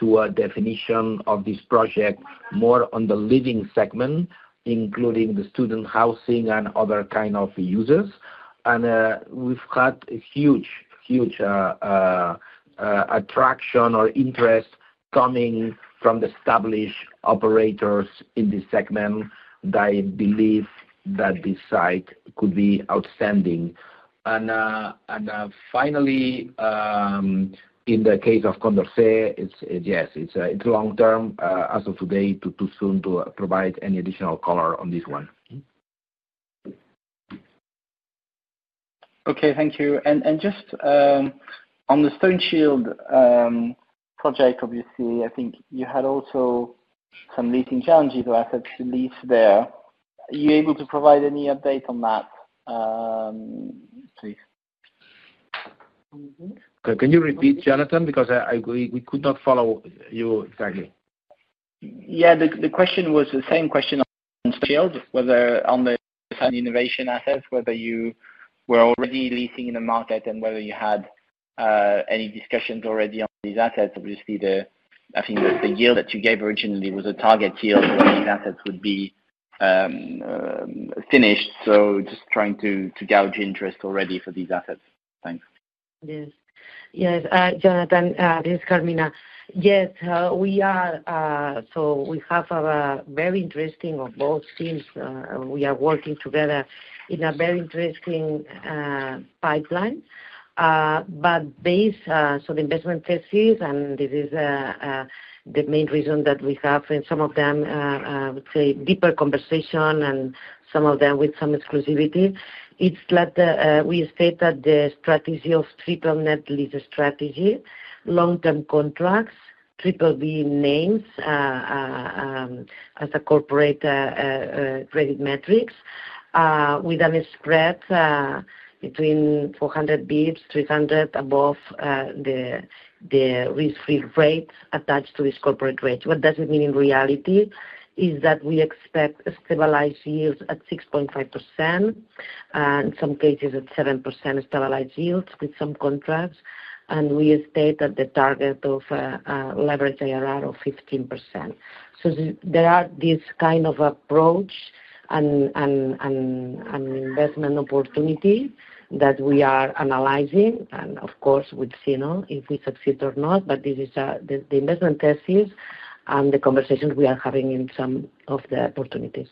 to a definition of this project, more on the living segment, including the student housing and other kinds of users. We've had a huge, huge attraction or interest coming from the established operators in this segment. I believe that this site could be outstanding. Finally, in the case of Condorcet, yes, it's long term. As of today, too soon to provide any additional color on this one. Thank you. Just on the Stoneshield project, obviously I think you had also some leasing challenges to lease there. Are you able to provide any update on that. Please? Can you repeat, Jonathan, because we could not follow you exactly. Yeah, the question was the same question on Splashfield, whether on the innovation assets, whether you were already leasing in the market and whether you had any discussions. Already on these assets. Obviously, I think the yield that you gave originally was a target yield when. These assets would be. Finished. Just trying to gauge interest already for these assets. Thanks. Yes. Yes, Jonathan, this is Carmina. Yes, we are. We have very interesting of both teams. We are working together in a very interesting pipeline, based on investment thesis. This is the main reason that we have some of them deeper conversation and some of them with some exclusivity. We stated the strategy of triple net lease strategy, long-term contracts, BBB names as a corporate credit metrics with a spread between 400 bps, 300 above the risk-free rate attached to this corporate rate. What it means in reality is that we expect stabilized yields at 6.5% in some cases at 7% stabilized yields with some contracts. We state that the target of leverage IRR of 15%. There are this kind of approach and investment opportunity that we are analyzing and of course we see if we succeed or not. This is the investment thesis and the conversations we are having in some of the opportunities.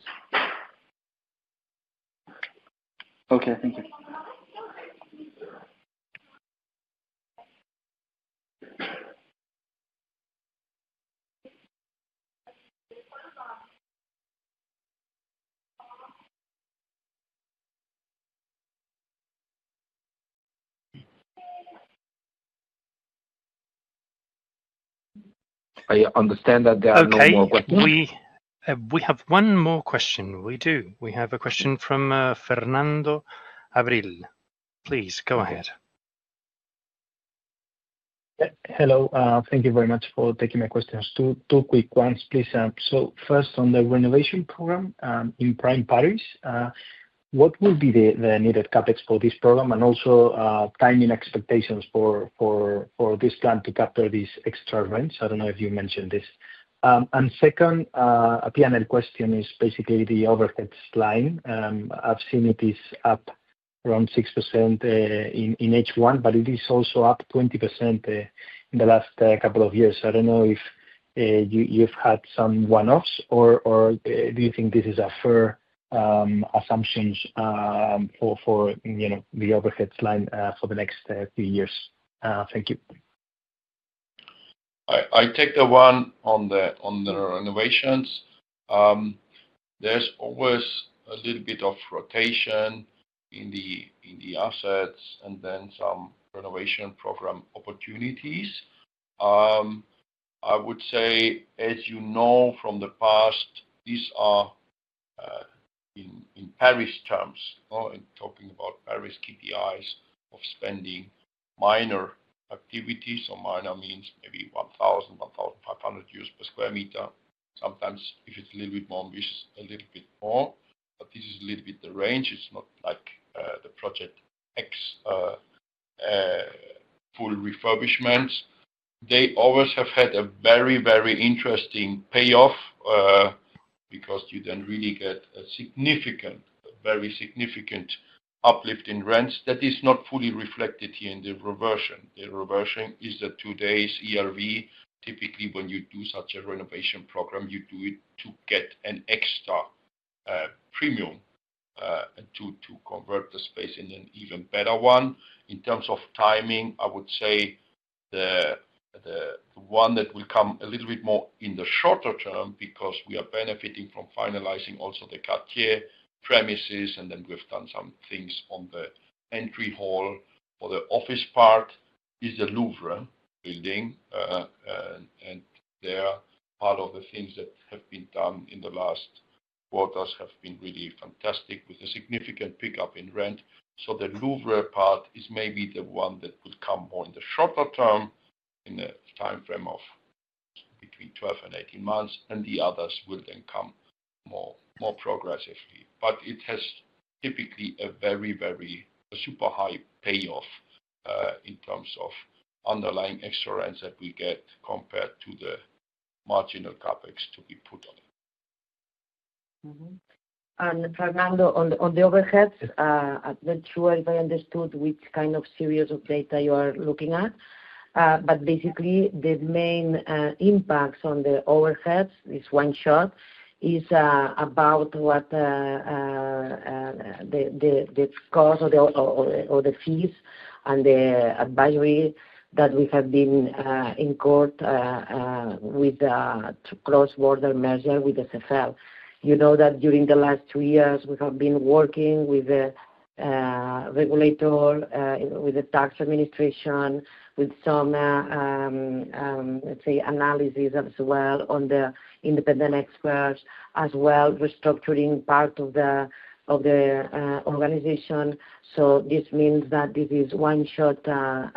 Okay, thank you. I understand that there are more questions. We have one more question. We have a question from Fernando Avril. Please, go ahead. Hello. Thank you very much for taking my questions. Two quick ones please. First, on the renovation program in Prime Paris, what will be the needed CapEx for this program? Also, timing expectations for this plan to capture these extra rents. I don't know if you mentioned this. Second, a P&L question is basically the overhead line. I've seen it is up around 6% in H1, but it is also up 20% in the last couple of years. I don't know if you've had some one-offs or if you think this is a fair assumption for the overhead line for the next few years. Thank you. I take the one on the renovations. There's always a little bit of rotation in the assets and then some renovation program opportunities. I would say, as you know from the past, these are in Paris terms. Talking about Paris KPIs of spending minor activities. Minor means maybe 1,000, 1,500 euros per square meter. Sometimes if it's a little bit more ambitious, a little bit more. This is a little bit the range. It's not like the Project X full refurbishments. They always have had a very, very interesting payoff because you then really get a significant, very significant uplift in rents that is not fully reflected here in the reversion. Reversion is that today's ERV, typically when you do such a renovation program, you do it to get an extra premium to convert the space in an even better one. In terms of timing, I would say the one that will come a little bit more in the shorter term because we are benefiting from finalizing also the Cartier premises. We've done some things on the entry hall for the office part, which is the Louvre building. Part of the things that have been done in the last quarters have been really fantastic with a significant pickup in rent. The Louvre part is maybe the one that would come more in the shorter term in a time frame of between 12 and 18 months. The others would then come more progressively. It has typically a very, very super high payoff in terms of underlying assurance that we get compared to the marginal CapEx to be put on it. Fernando, on the overheads, I'm not sure if I understood which kind of series of data you are looking at. Basically, the main issue impacting the overheads is one shot; it's about what the cost or the fees and the advisory that we have been in court with cross-border measure with SFL. You know that during the last two years we have been working with the regulator, with the tax administration, with some analysis as well on the independent experts, as well as restructuring part of the organization. This means that this is one shot cost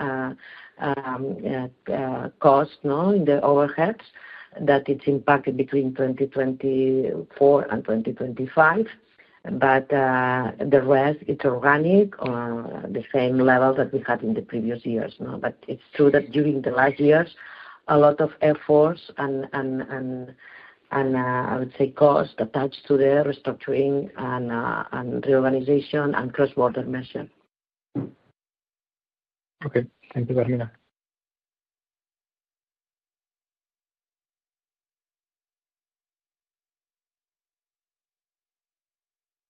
in the overheads that is impacted between 2024 and 2025. The rest is organic on the same level that we had in the previous years. It is true that during the last years a lot of efforts and, I would say, cost attached to the restructuring and reorganization and cross-border measure. Okay, thank you.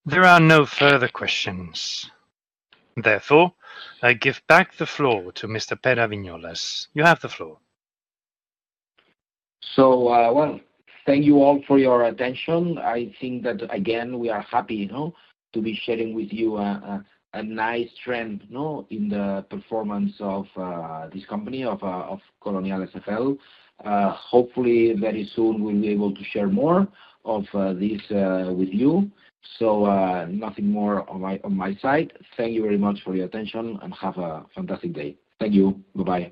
There are no further questions. Therefore, I give back the floor to Mr. Pere Viñolas. You have the floor. Thank you all for your attention. I think that again we are happy to be sharing with you a nice trend in the performance of this company of Colonial. Hopefully very soon we'll be able to share more of this with you. Nothing more on my side, thank you very much for your attention and have a fantastic day. Thank you. Bye bye.